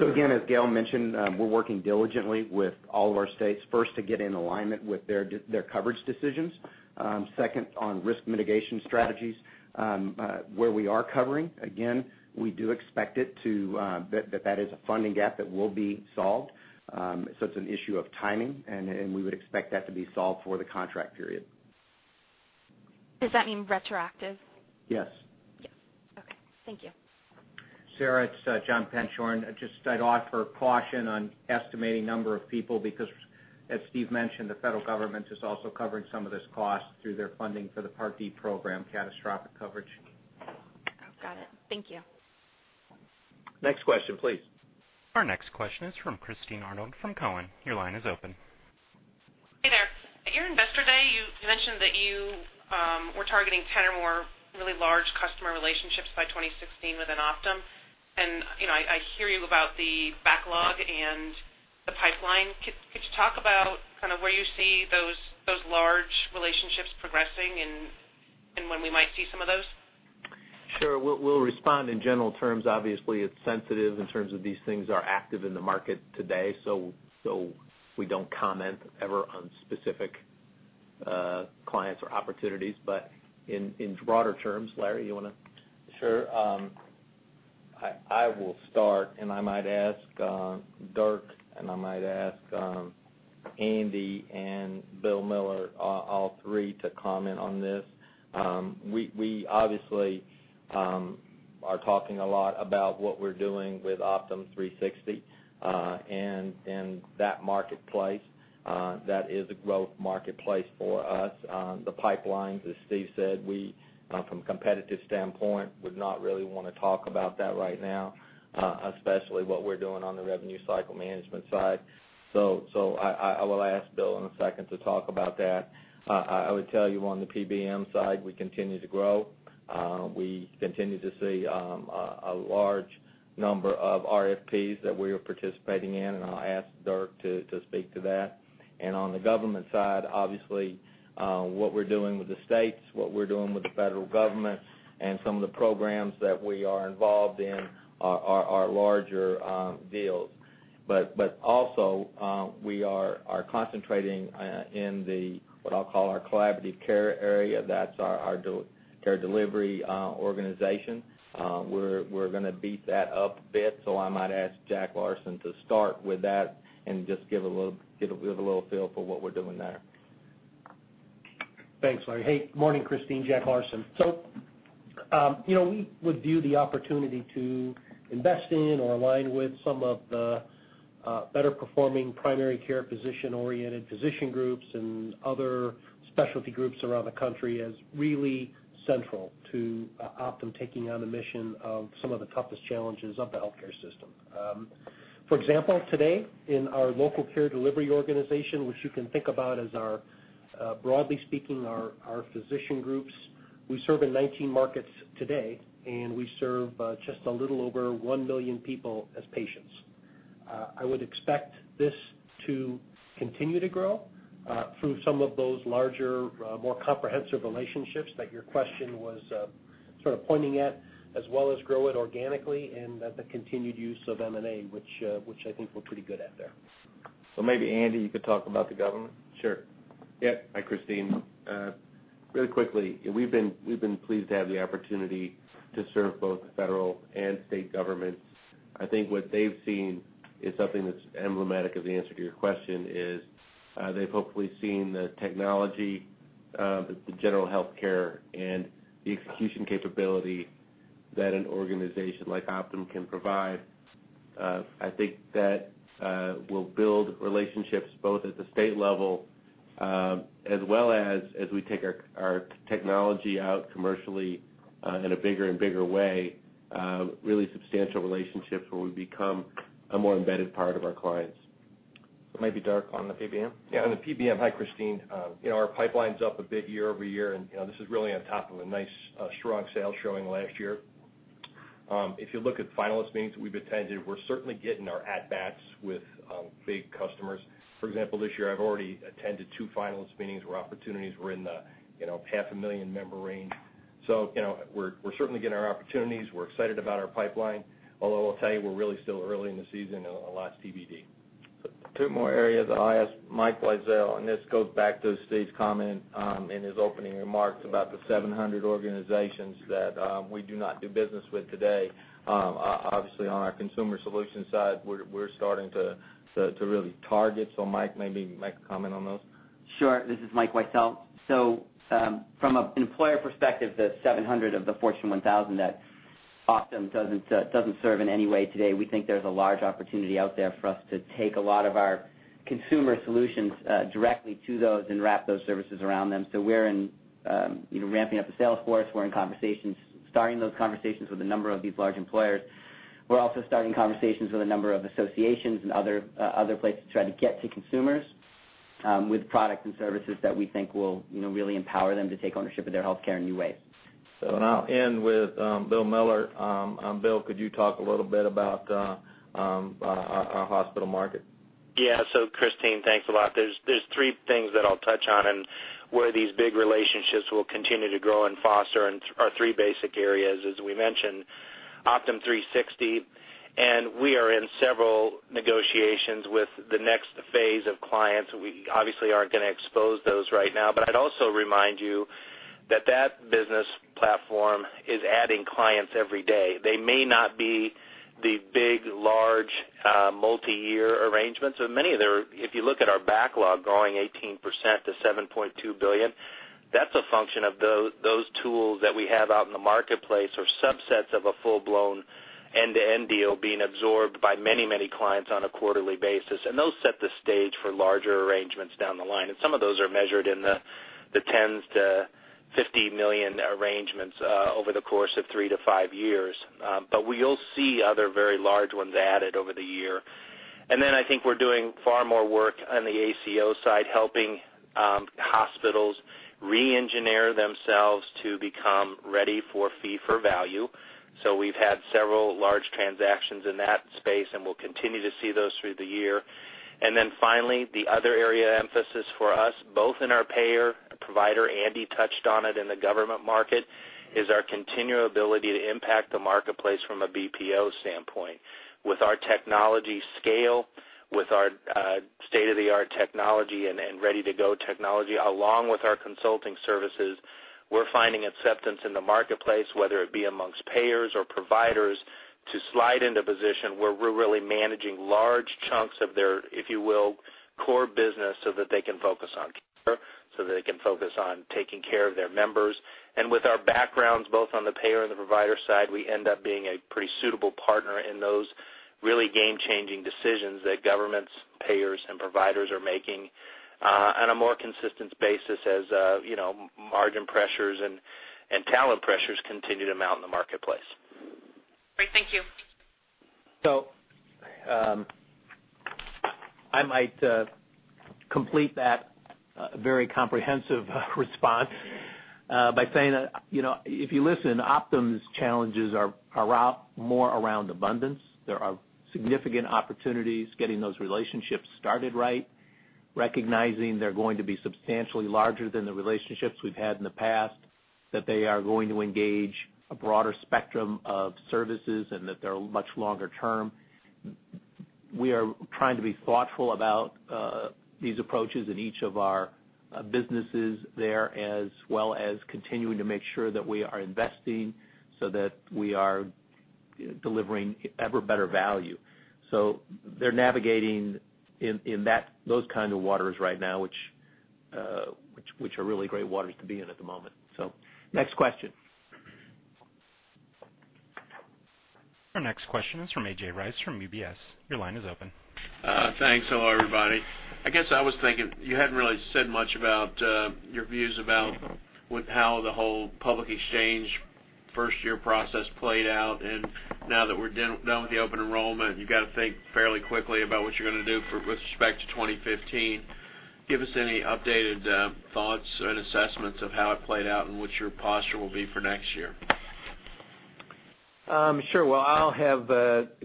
Again, as Gail mentioned, we're working diligently with all of our states. First to get in alignment with their coverage decisions. Second, on risk mitigation strategies. Where we are covering, again, we do expect it that is a funding gap that will be solved. It's an issue of timing, and we would expect that to be solved for the contract period.
Does that mean retroactive? Yes. Yes. Okay. Thank you.
Sarah, it's John Penshorn. Just I'd offer caution on estimating number of people, because as Steve mentioned, the federal government is also covering some of this cost through their funding for the Part D program, catastrophic coverage.
Got it. Thank you.
Next question, please.
Our next question is from Christine Arnold from Cowen. Your line is open.
Hey there. At your Investor Day, you mentioned that you were targeting 10 or more really large customer relationships by 2016 within Optum. I hear you about the backlog and the pipeline. Could you talk about kind of where you see those large relationships progressing and when we might see some of those?
Sure. We'll respond in general terms. Obviously, it's sensitive in terms of these things are active in the market today, we don't comment ever on specific clients or opportunities. In broader terms, Larry, you want to?
I will start, and I might ask Dirk, and I might ask Andy and Bill Miller, all three to comment on this. We obviously are talking a lot about what we're doing with Optum360, and in that marketplace, that is a growth marketplace for us. The pipeline, as Steve said, we from a competitive standpoint, would not really want to talk about that right now, especially what we're doing on the revenue cycle management side. I will ask Bill in a second to talk about that. I would tell you on the PBM side, we continue to grow. We continue to see a large number of RFPs that we are participating in, and I'll ask Dirk to speak to that. On the government side, obviously, what we're doing with the states, what we're doing with the federal government and some of the programs that we are involved in are larger deals. Also, we are concentrating in the, what I'll call our Optum Collaborative Care area. That's our care delivery organization. We're gonna beef that up a bit, I might ask Jack Larsen to start with that and just give a little feel for what we're doing there.
Thanks, Larry. Morning, Christine. Jack Larsen. We would view the opportunity to invest in or align with some of the better performing primary care physician-oriented physician groups and other specialty groups around the country as really central to Optum taking on the mission of some of the toughest challenges of the healthcare system. For example, today, in our local care delivery organization, which you can think about as our broadly speaking, our physician groups, we serve in 19 markets today, and we serve just a little over 1 million people as patients. I would expect this to continue to grow through some of those larger, more comprehensive relationships that your question was sort of pointing at, as well as grow it organically and the continued use of M&A, which I think we're pretty good at there.
Maybe Andy, you could talk about the government?
Sure. Yeah. Hi, Christine. Really quickly, we've been pleased to have the opportunity to serve both federal and state governments. I think what they've seen is something that's emblematic of the answer to your question is, they've hopefully seen the technology, the general healthcare and the execution capability that an organization like Optum can provide. I think that will build relationships both at the state level, as well as we take our technology out commercially in a bigger and bigger way, really substantial relationships where we become a more embedded part of our clients.
Maybe Dirk on the PBM.
Yeah, on the PBM. Hi, Christine. Our pipeline's up a bit year-over-year, this is really on top of a nice, strong sales showing last year. If you look at finalist meetings we've attended, we're certainly getting our at-bats with big customers. For example, this year I've already attended two finalist meetings where opportunities were in the half a million member range. We're certainly getting our opportunities. We're excited about our pipeline, although I'll tell you, we're really still early in the season and a lot is TBD.
Two more areas, I'll ask Michael Winkel, this goes back to Steve's comment, in his opening remarks about the 700 organizations that we do not do business with today. Obviously on our consumer solution side, we're starting to really target. Mike, maybe make a comment on those.
Sure. This is Michael Winkel. From an employer perspective, the 700 of the Fortune 1000 that Optum doesn't serve in any way today, we think there's a large opportunity out there for us to take a lot of our consumer solutions directly to those and wrap those services around them. We're ramping up the sales force. We're in conversations, starting those conversations with a number of these large employers. We're also starting conversations with a number of associations and other places to try to get to consumers with products and services that we think will really empower them to take ownership of their healthcare in new ways.
Now in with Bill Miller. Bill, could you talk a little bit about our hospital market?
Yeah. Christine, thanks a lot. There's three things that I'll touch on and where these big relationships will continue to grow and foster in our three basic areas, as we mentioned, Optum360. We are in several negotiations with the next phase of clients. We obviously aren't gonna expose those right now. I'd also remind you that that business platform is adding clients every day. They may not be the big, large, multi-year arrangements. If you look at our backlog growing 18% to $7.2 billion, that's a function of those tools that we have out in the marketplace or subsets of a full-blown end-to-end deal being absorbed by many clients on a quarterly basis. Those set the stage for larger arrangements down the line. Some of those are measured in the 10s to $50 million arrangements over the course of three to five years. We'll see other very large ones added over the year. Then I think we're doing far more work on the ACO side, helping hospitals re-engineer themselves to become ready for fee-for-value. We've had several large transactions in that space, we'll continue to see those through the year. Finally, the other area of emphasis for us, both in our payer-provider, Andy touched on it, in the government market, is our continual ability to impact the marketplace from a BPO standpoint. With our technology scale, with our state-of-the-art technology and ready-to-go technology, along with our consulting services, we're finding acceptance in the marketplace, whether it be amongst payers or providers, to slide into position where we're really managing large chunks of their, if you will, core business so that they can focus on care, so that they can focus on taking care of their members. With our backgrounds, both on the payer and the provider side, we end up being a pretty suitable partner in those really game-changing decisions that governments, payers, and providers are making on a more consistent basis as margin pressures and talent pressures continue to mount in the marketplace.
Great. Thank you.
I might complete that very comprehensive response by saying that, if you listen, Optum's challenges are more around abundance. There are significant opportunities getting those relationships started right, recognizing they're going to be substantially larger than the relationships we've had in the past, that they are going to engage a broader spectrum of services, and that they're much longer term. We are trying to be thoughtful about these approaches in each of our businesses there, as well as continuing to make sure that we are investing so that we are delivering ever better value. They're navigating in those kinds of waters right now, which are really great waters to be in at the moment. Next question.
Our next question is from A.J. Rice from UBS. Your line is open.
Thanks. Hello, everybody. I guess I was thinking you hadn't really said much about your views about how the whole public exchange first-year process played out. Now that we're done with the open enrollment, you've got to think fairly quickly about what you're going to do with respect to 2015. Give us any updated thoughts and assessments of how it played out and what your posture will be for next year.
Sure. Well, I'll have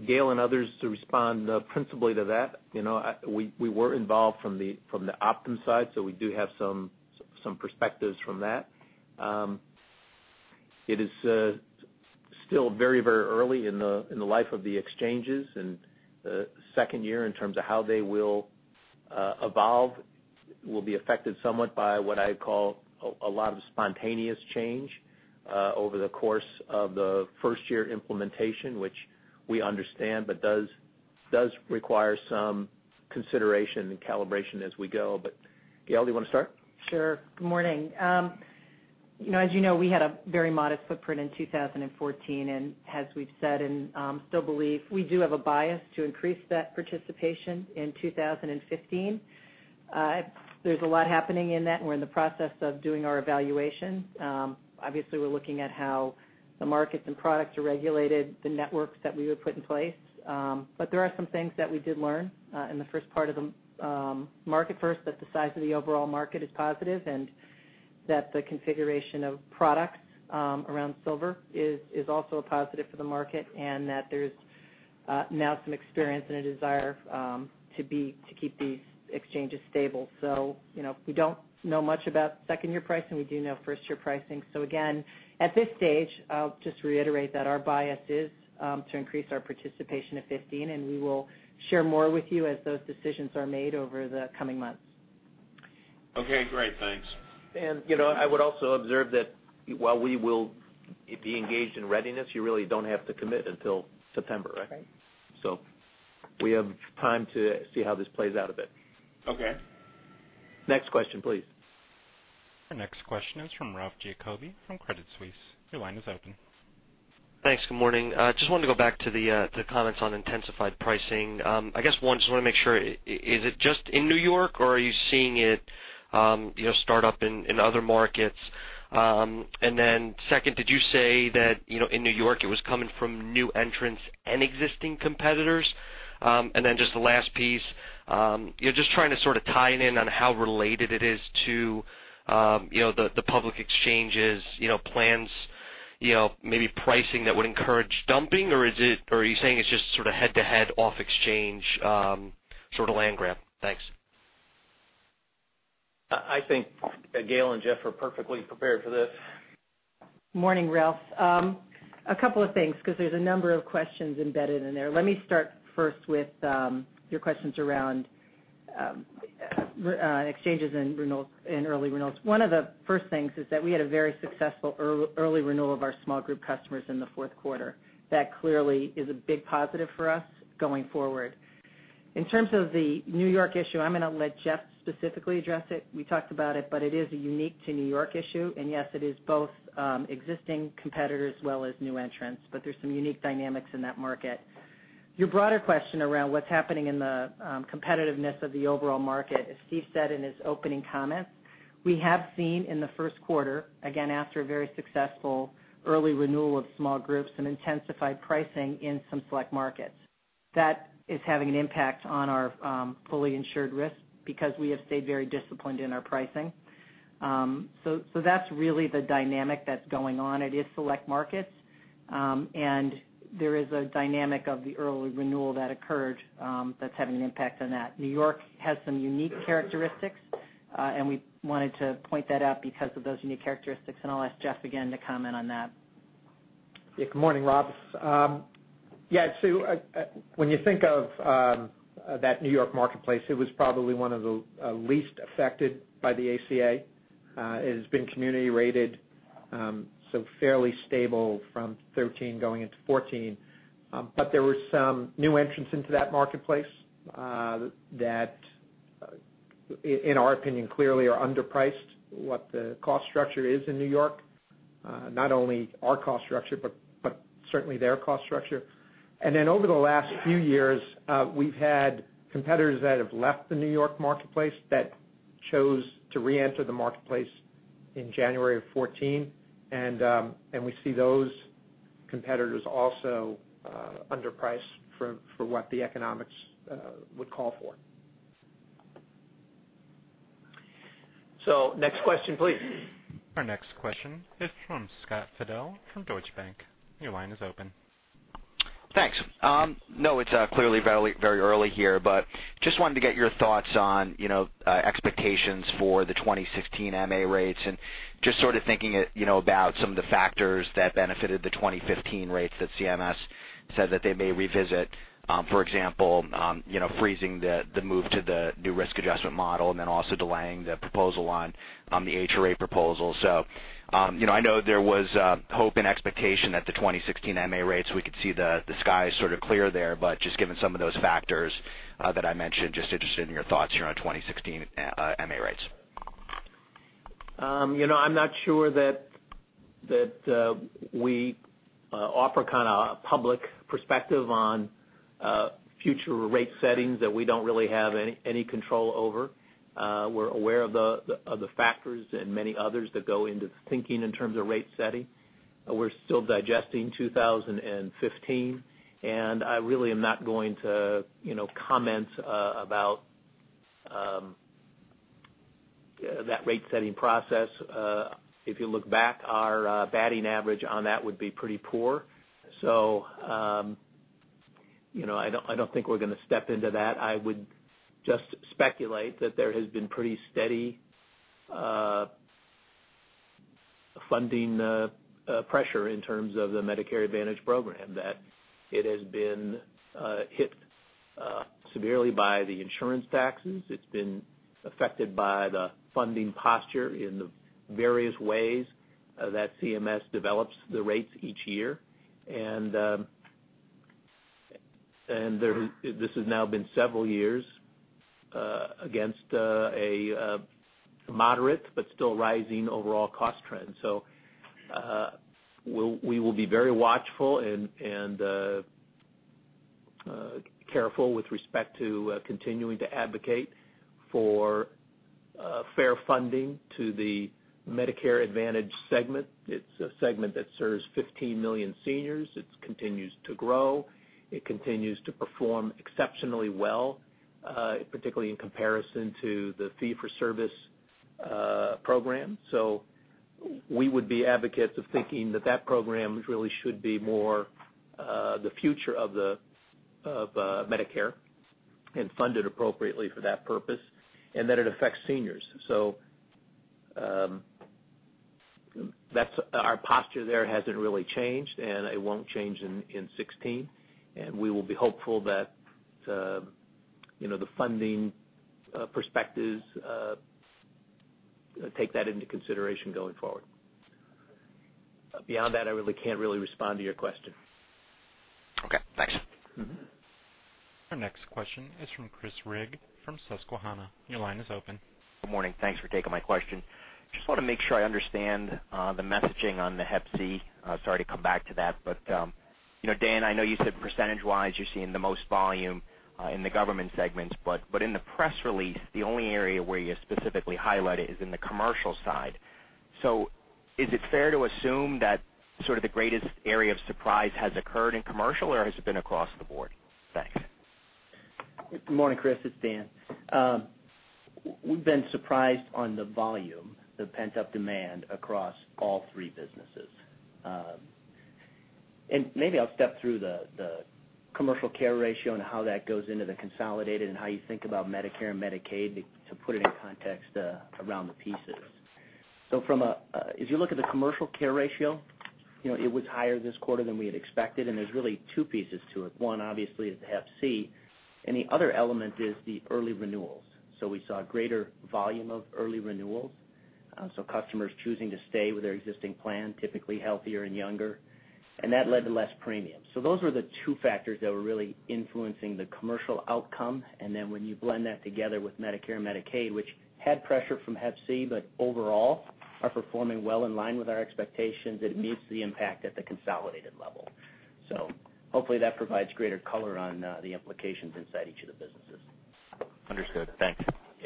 Gail and others to respond principally to that. We were involved from the Optum side, so we do have some perspectives from that. It is still very early in the life of the exchanges, and the second year, in terms of how they will evolve, will be affected somewhat by what I call a lot of spontaneous change over the course of the first-year implementation, which we understand but does require some consideration and calibration as we go. Gail, do you want to start?
Sure. Good morning. As you know, we had a very modest footprint in 2014, and as we've said, and still believe, we do have a bias to increase that participation in 2015. There's a lot happening in that, and we're in the process of doing our evaluation. Obviously, we're looking at how the markets and products are regulated, the networks that we would put in place. There are some things that we did learn in the first part of the market. First, that the size of the overall market is positive, and that the configuration of products around Silver is also a positive for the market, and that there's now some experience and a desire to keep these exchanges stable. We don't know much about second-year pricing. We do know first-year pricing. Again, at this stage, I'll just reiterate that our bias is to increase our participation in 2015, and we will share more with you as those decisions are made over the coming months.
Okay, great. Thanks.
I would also observe that while we will be engaged in readiness, you really don't have to commit until September, right?
Right.
We have time to see how this plays out a bit.
Okay.
Next question, please.
The next question is from Ralph Giacobbe from Credit Suisse. Your line is open.
Thanks. Good morning. Just wanted to go back to the comments on intensified pricing. I guess one, just want to make sure, is it just in N.Y., or are you seeing it start up in other markets? Second, did you say that in N.Y., it was coming from new entrants and existing competitors? Just the last piece, just trying to sort of tie it in on how related it is to the public exchanges plans, maybe pricing that would encourage dumping, or are you saying it's just sort of head-to-head off-exchange sort of land grab? Thanks.
I think Gail and Jeff are perfectly prepared for this.
Morning, Ralph. A couple of things, because there's a number of questions embedded in there. Let me start first with your questions around exchanges and early renewals. One of the first things is that we had a very successful early renewal of our small group customers in the fourth quarter. That clearly is a big positive for us going forward. In terms of the N.Y. issue, I'm going to let Jeff specifically address it. We talked about it, but it is a unique to N.Y. issue. Yes, it is both existing competitors as well as new entrants, but there's some unique dynamics in that market. Your broader question around what's happening in the competitiveness of the overall market, as Steve said in his opening comments, we have seen in the first quarter, again, after a very successful early renewal of small groups and intensified pricing in some select markets. That is having an impact on our fully insured risk because we have stayed very disciplined in our pricing. That's really the dynamic that's going on. It is select markets, and there is a dynamic of the early renewal that occurred, that's having an impact on that. N.Y. has some unique characteristics, and we wanted to point that out because of those unique characteristics, and I'll ask Jeff again to comment on that.
Good morning, Ralph. When you think of that N.Y. marketplace, it was probably one of the least affected by the ACA. It has been community-rated, fairly stable from 2013 going into 2014. There were some new entrants into that marketplace, that in our opinion, clearly are underpriced what the cost structure is in N.Y., not only our cost structure, but certainly their cost structure. Over the last few years, we've had competitors that have left the N.Y. marketplace that chose to reenter the marketplace in January of 2014. We see those competitors also underpriced for what the economics would call for. Next question, please.
Our next question is from Scott Fidel from Deutsche Bank. Your line is open.
Thanks. It's clearly very early here, but just wanted to get your thoughts on expectations for the 2016 MA rates and just sort of thinking about some of the factors that benefited the 2015 rates that CMS said that they may revisit, for example, freezing the move to the new risk adjustment model and then also delaying the proposal on the HRA proposal. I know there was hope and expectation that the 2016 MA rates, we could see the sky sort of clear there, but just given some of those factors that I mentioned, just interested in your thoughts here on 2016 MA rates.
I'm not sure that we offer a public perspective on future rate settings that we don't really have any control over. We're aware of the factors and many others that go into thinking in terms of rate setting. We're still digesting 2015. I really am not going to comment about that rate-setting process. If you look back, our batting average on that would be pretty poor. I don't think we're going to step into that. I would just speculate that there has been pretty steady funding pressure in terms of the Medicare Advantage program, that it has been hit severely by the insurance taxes. It's been affected by the funding posture in the various ways that CMS develops the rates each year. This has now been several years, against a moderate but still rising overall cost trend. We will be very watchful and careful with respect to continuing to advocate for fair funding to the Medicare Advantage segment. It's a segment that serves 15 million seniors. It continues to grow. It continues to perform exceptionally well, particularly in comparison to the fee-for-service program. We would be advocates of thinking that program really should be more the future of Medicare and funded appropriately for that purpose, and that it affects seniors. Our posture there hasn't really changed, and it won't change in 2016. We will be hopeful that the funding perspectives take that into consideration going forward. Beyond that, I really can't really respond to your question.
Okay, thanks.
Our next question is from Chris Rigg from Susquehanna. Your line is open.
Good morning. Thanks for taking my question. Just want to make sure I understand the messaging on the Hep C. Sorry to come back to that, Dan, I know you said percentage-wise you're seeing the most volume in the government segments, in the press release, the only area where you specifically highlight it is in the commercial side. Is it fair to assume that sort of the greatest area of surprise has occurred in commercial, or has it been across the board? Thanks.
Good morning, Chris. It's Dan. We've been surprised on the volume, the pent-up demand across all three businesses. Maybe I'll step through the commercial care ratio and how that goes into the consolidated and how you think about Medicare and Medicaid to put it in context around the pieces. If you look at the commercial care ratio, it was higher this quarter than we had expected, and there's really two pieces to it. One, obviously, is the Hep C, and the other element is the early renewals. We saw greater volume of early renewals, so customers choosing to stay with their existing plan, typically healthier and younger, and that led to less premium. Those were the two factors that were really influencing the commercial outcome, and then when you blend that together with Medicare and Medicaid, which had pressure from Hep C, but overall are performing well in line with our expectations, it meets the impact at the consolidated level. Hopefully that provides greater color on the implications inside each of the businesses.
Understood. Thanks.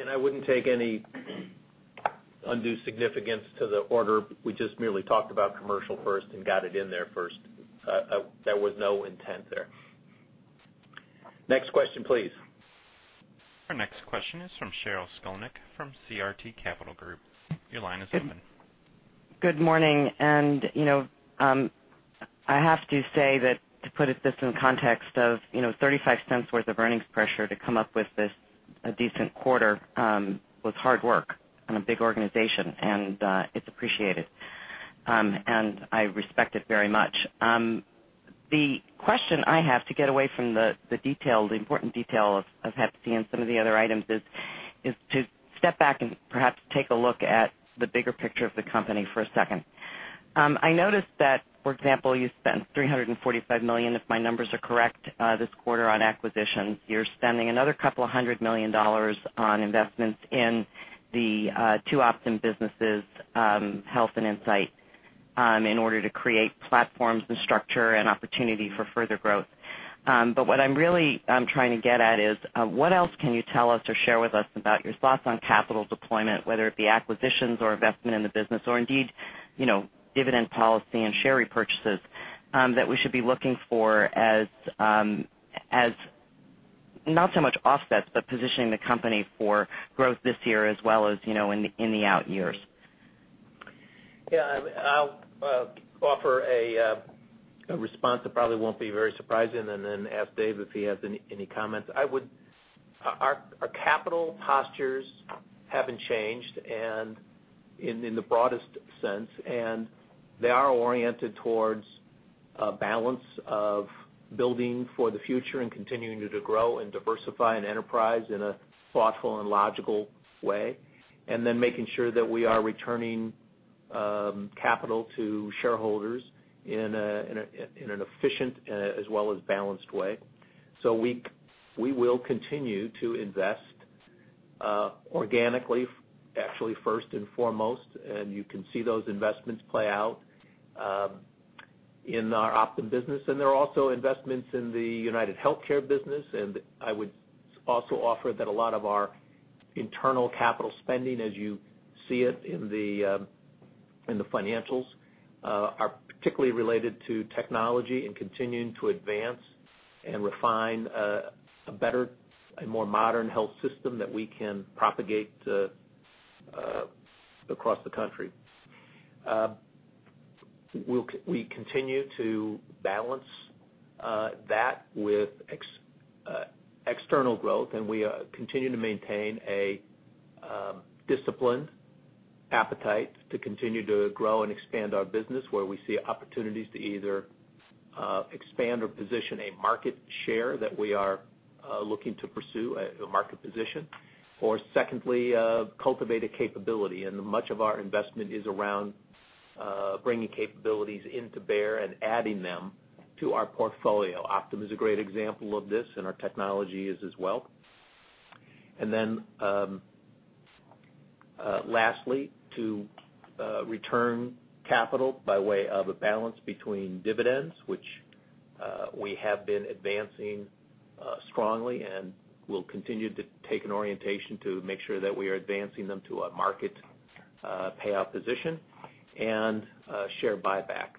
I wouldn't take any undue significance to the order. We just merely talked about commercial first and got it in there first. There was no intent there. Next question, please.
Our next question is from Sheryl Skolnick from CRT Capital Group. Your line is open.
Good morning. I have to say that to put it just in context of $0.35 worth of earnings pressure to come up with this, a decent quarter, was hard work on a big organization, and it's appreciated. I respect it very much. The question I have to get away from the important detail of hep C and some of the other items is, to step back and perhaps take a look at the bigger picture of the company for a second. I noticed that, for example, you spent $345 million, if my numbers are correct, this quarter on acquisitions. You're spending another $ couple of hundred million on investments in the two Optum businesses, Health and Insight, in order to create platforms and structure and opportunity for further growth. What I'm really trying to get at is, what else can you tell us or share with us about your thoughts on capital deployment, whether it be acquisitions or investment in the business, or indeed, dividend policy and share repurchases, that we should be looking for as not so much offsets, but positioning the company for growth this year as well as in the out years?
I'll offer a response that probably won't be very surprising, then ask Dave if he has any comments. Our capital postures haven't changed in the broadest sense, and they are oriented towards a balance of building for the future and continuing to grow and diversify an enterprise in a thoughtful and logical way. Then making sure that we are returning capital to shareholders in an efficient as well as balanced way. We will continue to invest organically, actually first and foremost, and you can see those investments play out in our Optum business, and there are also investments in the UnitedHealthcare business. I would also offer that a lot of our internal capital spending, as you see it in the financials, are particularly related to technology and continuing to advance and refine a better and more modern health system that we can propagate across the country. We continue to balance that with external growth, and we continue to maintain a disciplined appetite to continue to grow and expand our business where we see opportunities to either expand or position a market share that we are looking to pursue a market position. Secondly, cultivate a capability, and much of our investment is around bringing capabilities to bear and adding them to our portfolio. Optum is a great example of this, and our technology is as well. Then lastly, to return capital by way of a balance between dividends, which we have been advancing strongly and will continue to take an orientation to make sure that we are advancing them to a market payout position and share buyback.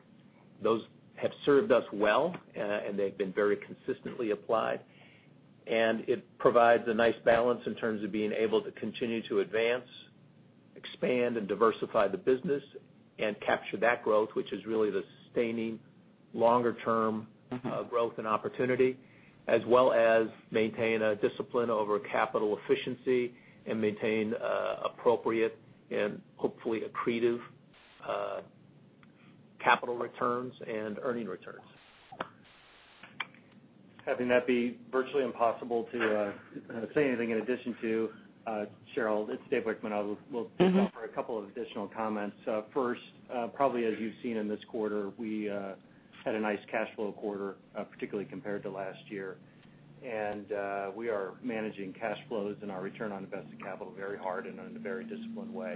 Those have served us well, and they've been very consistently applied. It provides a nice balance in terms of being able to continue to advance, expand, and diversify the business and capture that growth, which is really the sustaining longer-term growth and opportunity, as well as maintain a discipline over capital efficiency and maintain appropriate and hopefully accretive capital returns and earning returns.
Having that be virtually impossible to say anything in addition to Sheryl, it's Dave Wichmann. I will offer a couple of additional comments. First, probably as you've seen in this quarter, we had a nice cash flow quarter, particularly compared to last year. We are managing cash flows and our return on invested capital very hard and in a very disciplined way.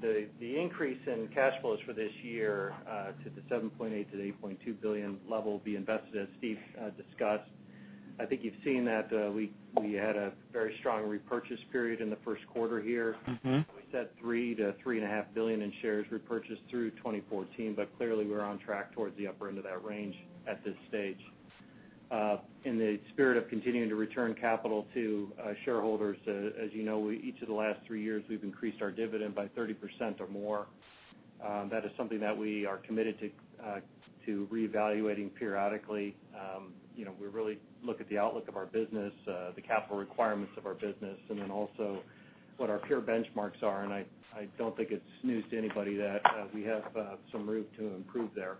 The increase in cash flows for this year, to the $7.8 billion-$8.2 billion level will be invested, as Steve discussed. I think you've seen that we had a very strong repurchase period in the first quarter here. We said $3 billion-$3.5 billion in shares repurchased through 2014, clearly we're on track towards the upper end of that range at this stage. In the spirit of continuing to return capital to shareholders, as you know, each of the last three years, we've increased our dividend by 30% or more. That is something that we are committed to reevaluating periodically. We really look at the outlook of our business, the capital requirements of our business, and then also what our peer benchmarks are. I don't think it's news to anybody that we have some room to improve there.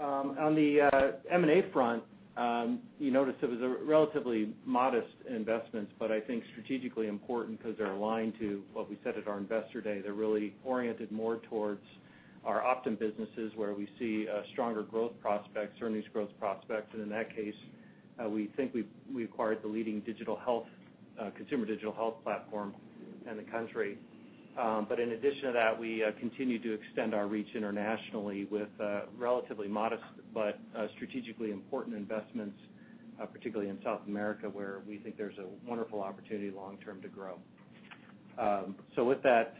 On the M&A front, you notice it was a relatively modest investment, I think strategically important because they're aligned to what we said at our investor day. They're really oriented more towards our Optum businesses, where we see stronger growth prospects, earnings growth prospects. In that case, we think we acquired the leading consumer digital health platform in the country. In addition to that, we continue to extend our reach internationally with relatively modest but strategically important investments, particularly in South America, where we think there's a wonderful opportunity long-term to grow. With that,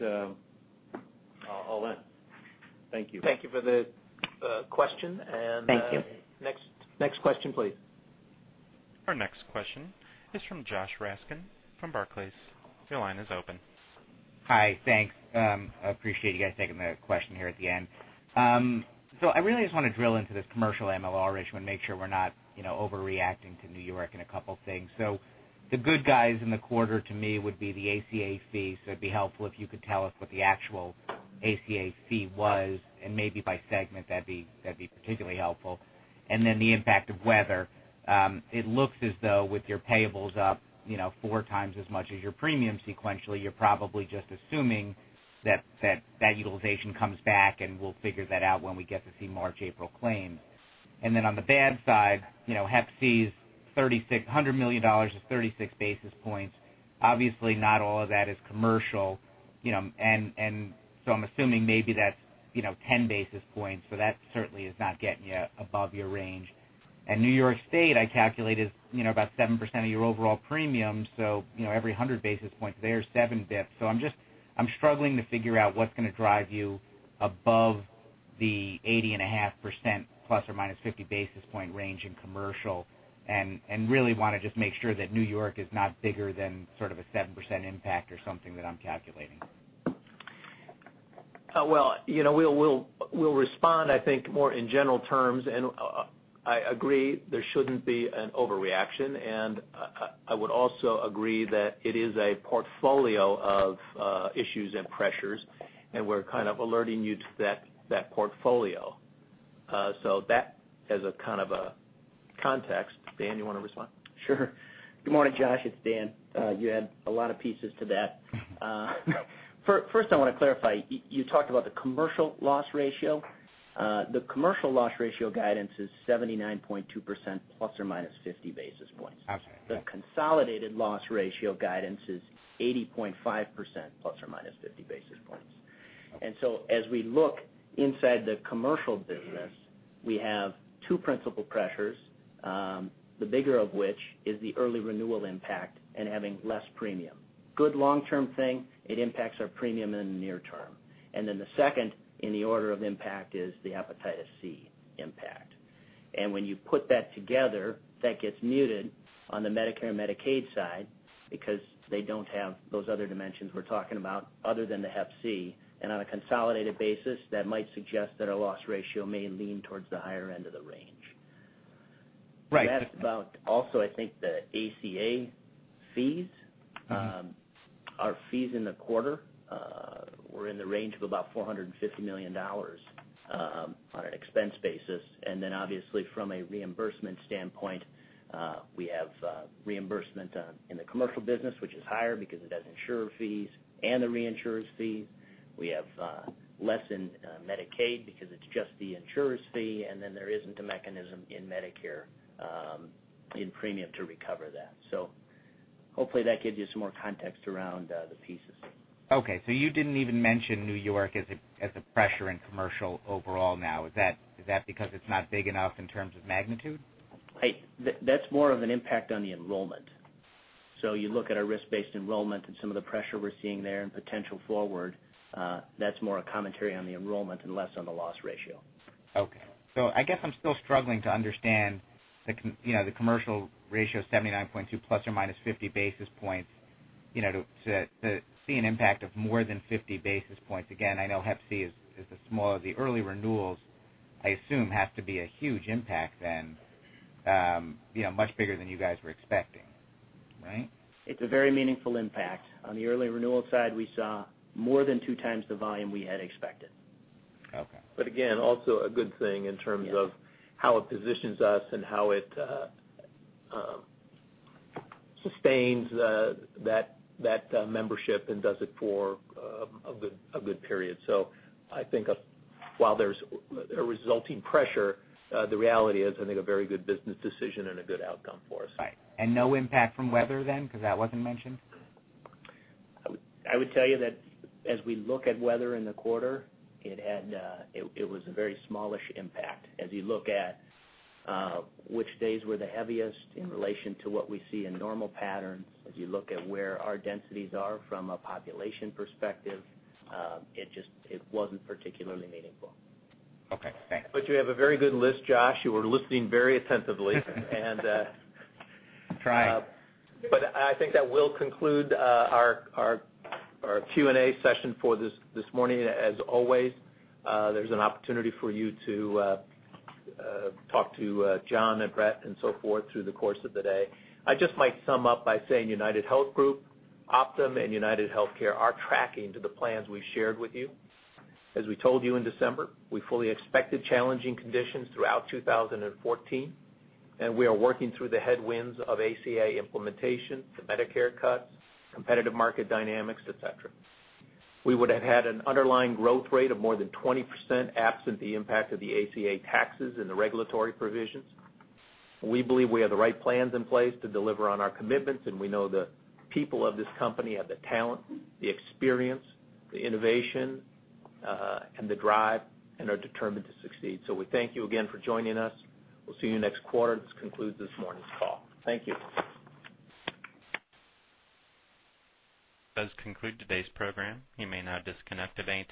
I'll end. Thank you.
Thank you for the question.
Thank you.
Next question, please.
Our next question is from Joshua Raskin from Barclays. Your line is open.
Hi. Thanks. I appreciate you guys taking the question here at the end. I really just want to drill into this commercial MLR issue and make sure we're not overreacting to N.Y. and a couple things. The good guys in the quarter to me would be the ACA fees. It'd be helpful if you could tell us what the actual ACA fee was, and maybe by segment that'd be particularly helpful. The impact of weather. It looks as though with your payables up four times as much as your premium sequentially, you're probably just assuming that that utilization comes back, and we'll figure that out when we get to see March, April claims. On the bad side, Hep C's $100 million is 36 basis points. Obviously, not all of that is commercial, I'm assuming maybe that's 10 basis points. That certainly is not getting you above your range. N.Y. State, I calculated, about 7% of your overall premium, every 100 basis points there is seven basis points. I'm struggling to figure out what's going to drive you above the 80.5% ± 50 basis point range in commercial, really want to just make sure that N.Y. is not bigger than sort of a 7% impact or something that I'm calculating.
Well, we'll respond, I think, more in general terms. I agree there shouldn't be an overreaction. I would also agree that it is a portfolio of issues and pressures. We're kind of alerting you to that portfolio. That as a kind of a context. Dan, you want to respond?
Sure. Good morning, Josh, it's Dan. You add a lot of pieces to that. First, I want to clarify, you talked about the commercial loss ratio. The commercial loss ratio guidance is 79.2% plus or minus 50 basis points.
Okay, yeah.
The consolidated loss ratio guidance is 80.5% plus or minus 50 basis points. As we look inside the commercial business, we have two principal pressures, the bigger of which is the early renewal impact and having less premium. Good long-term thing, it impacts our premium in the near term. The second, in the order of impact, is the hepatitis C impact. When you put that together, that gets muted on the Medicare/Medicaid side because they don't have those other dimensions we're talking about other than the Hep C. On a consolidated basis, that might suggest that our loss ratio may lean towards the higher end of the range.
Right.
That's about also, I think the ACA fees. Our fees in the quarter were in the range of about $450 million on an expense basis. Obviously from a reimbursement standpoint, we have reimbursement in the commercial business, which is higher because it has insurer fees and the reinsurers' fees. We have less in Medicaid because it's just the insurer's fee, and then there isn't a mechanism in Medicare in premium to recover that. Hopefully that gives you some more context around the pieces.
You didn't even mention New York as a pressure in commercial overall now. Is that because it's not big enough in terms of magnitude?
That's more of an impact on the enrollment. You look at our risk-based enrollment and some of the pressure we're seeing there and potential forward, that's more a commentary on the enrollment and less on the loss ratio.
I guess I'm still struggling to understand the commercial ratio, 79.2 plus or minus 50 basis points, to see an impact of more than 50 basis points. Again, I know Hep C is the smaller. The early renewals, I assume, has to be a huge impact then, much bigger than you guys were expecting, right?
It's a very meaningful impact. On the early renewal side, we saw more than two times the volume we had expected.
Okay.
Again, also a good thing in terms of how it positions us and how it sustains that membership and does it for a good period. I think while there's a resulting pressure, the reality is, I think, a very good business decision and a good outcome for us.
Right. No impact from weather then? Because that wasn't mentioned.
I would tell you that as we look at weather in the quarter, it was a very smallish impact. As you look at which days were the heaviest in relation to what we see in normal patterns, as you look at where our densities are from a population perspective, it wasn't particularly meaningful.
Okay, thanks.
You have a very good list, Josh. You were listening very attentively.
Trying.
I think that will conclude our Q&A session for this morning. As always, there's an opportunity for you to talk to John and Brett and so forth through the course of the day. I just might sum up by saying UnitedHealth Group, Optum, and UnitedHealthcare are tracking to the plans we've shared with you. As we told you in December, we fully expected challenging conditions throughout 2014, and we are working through the headwinds of ACA implementation, the Medicare cuts, competitive market dynamics, et cetera. We would have had an underlying growth rate of more than 20% absent the impact of the ACA taxes and the regulatory provisions. We believe we have the right plans in place to deliver on our commitments, and we know the people of this company have the talent, the experience, the innovation, and the drive, and are determined to succeed. We thank you again for joining us. We'll see you next quarter. This concludes this morning's call. Thank you.
This does conclude today's program. You may now disconnect event lines.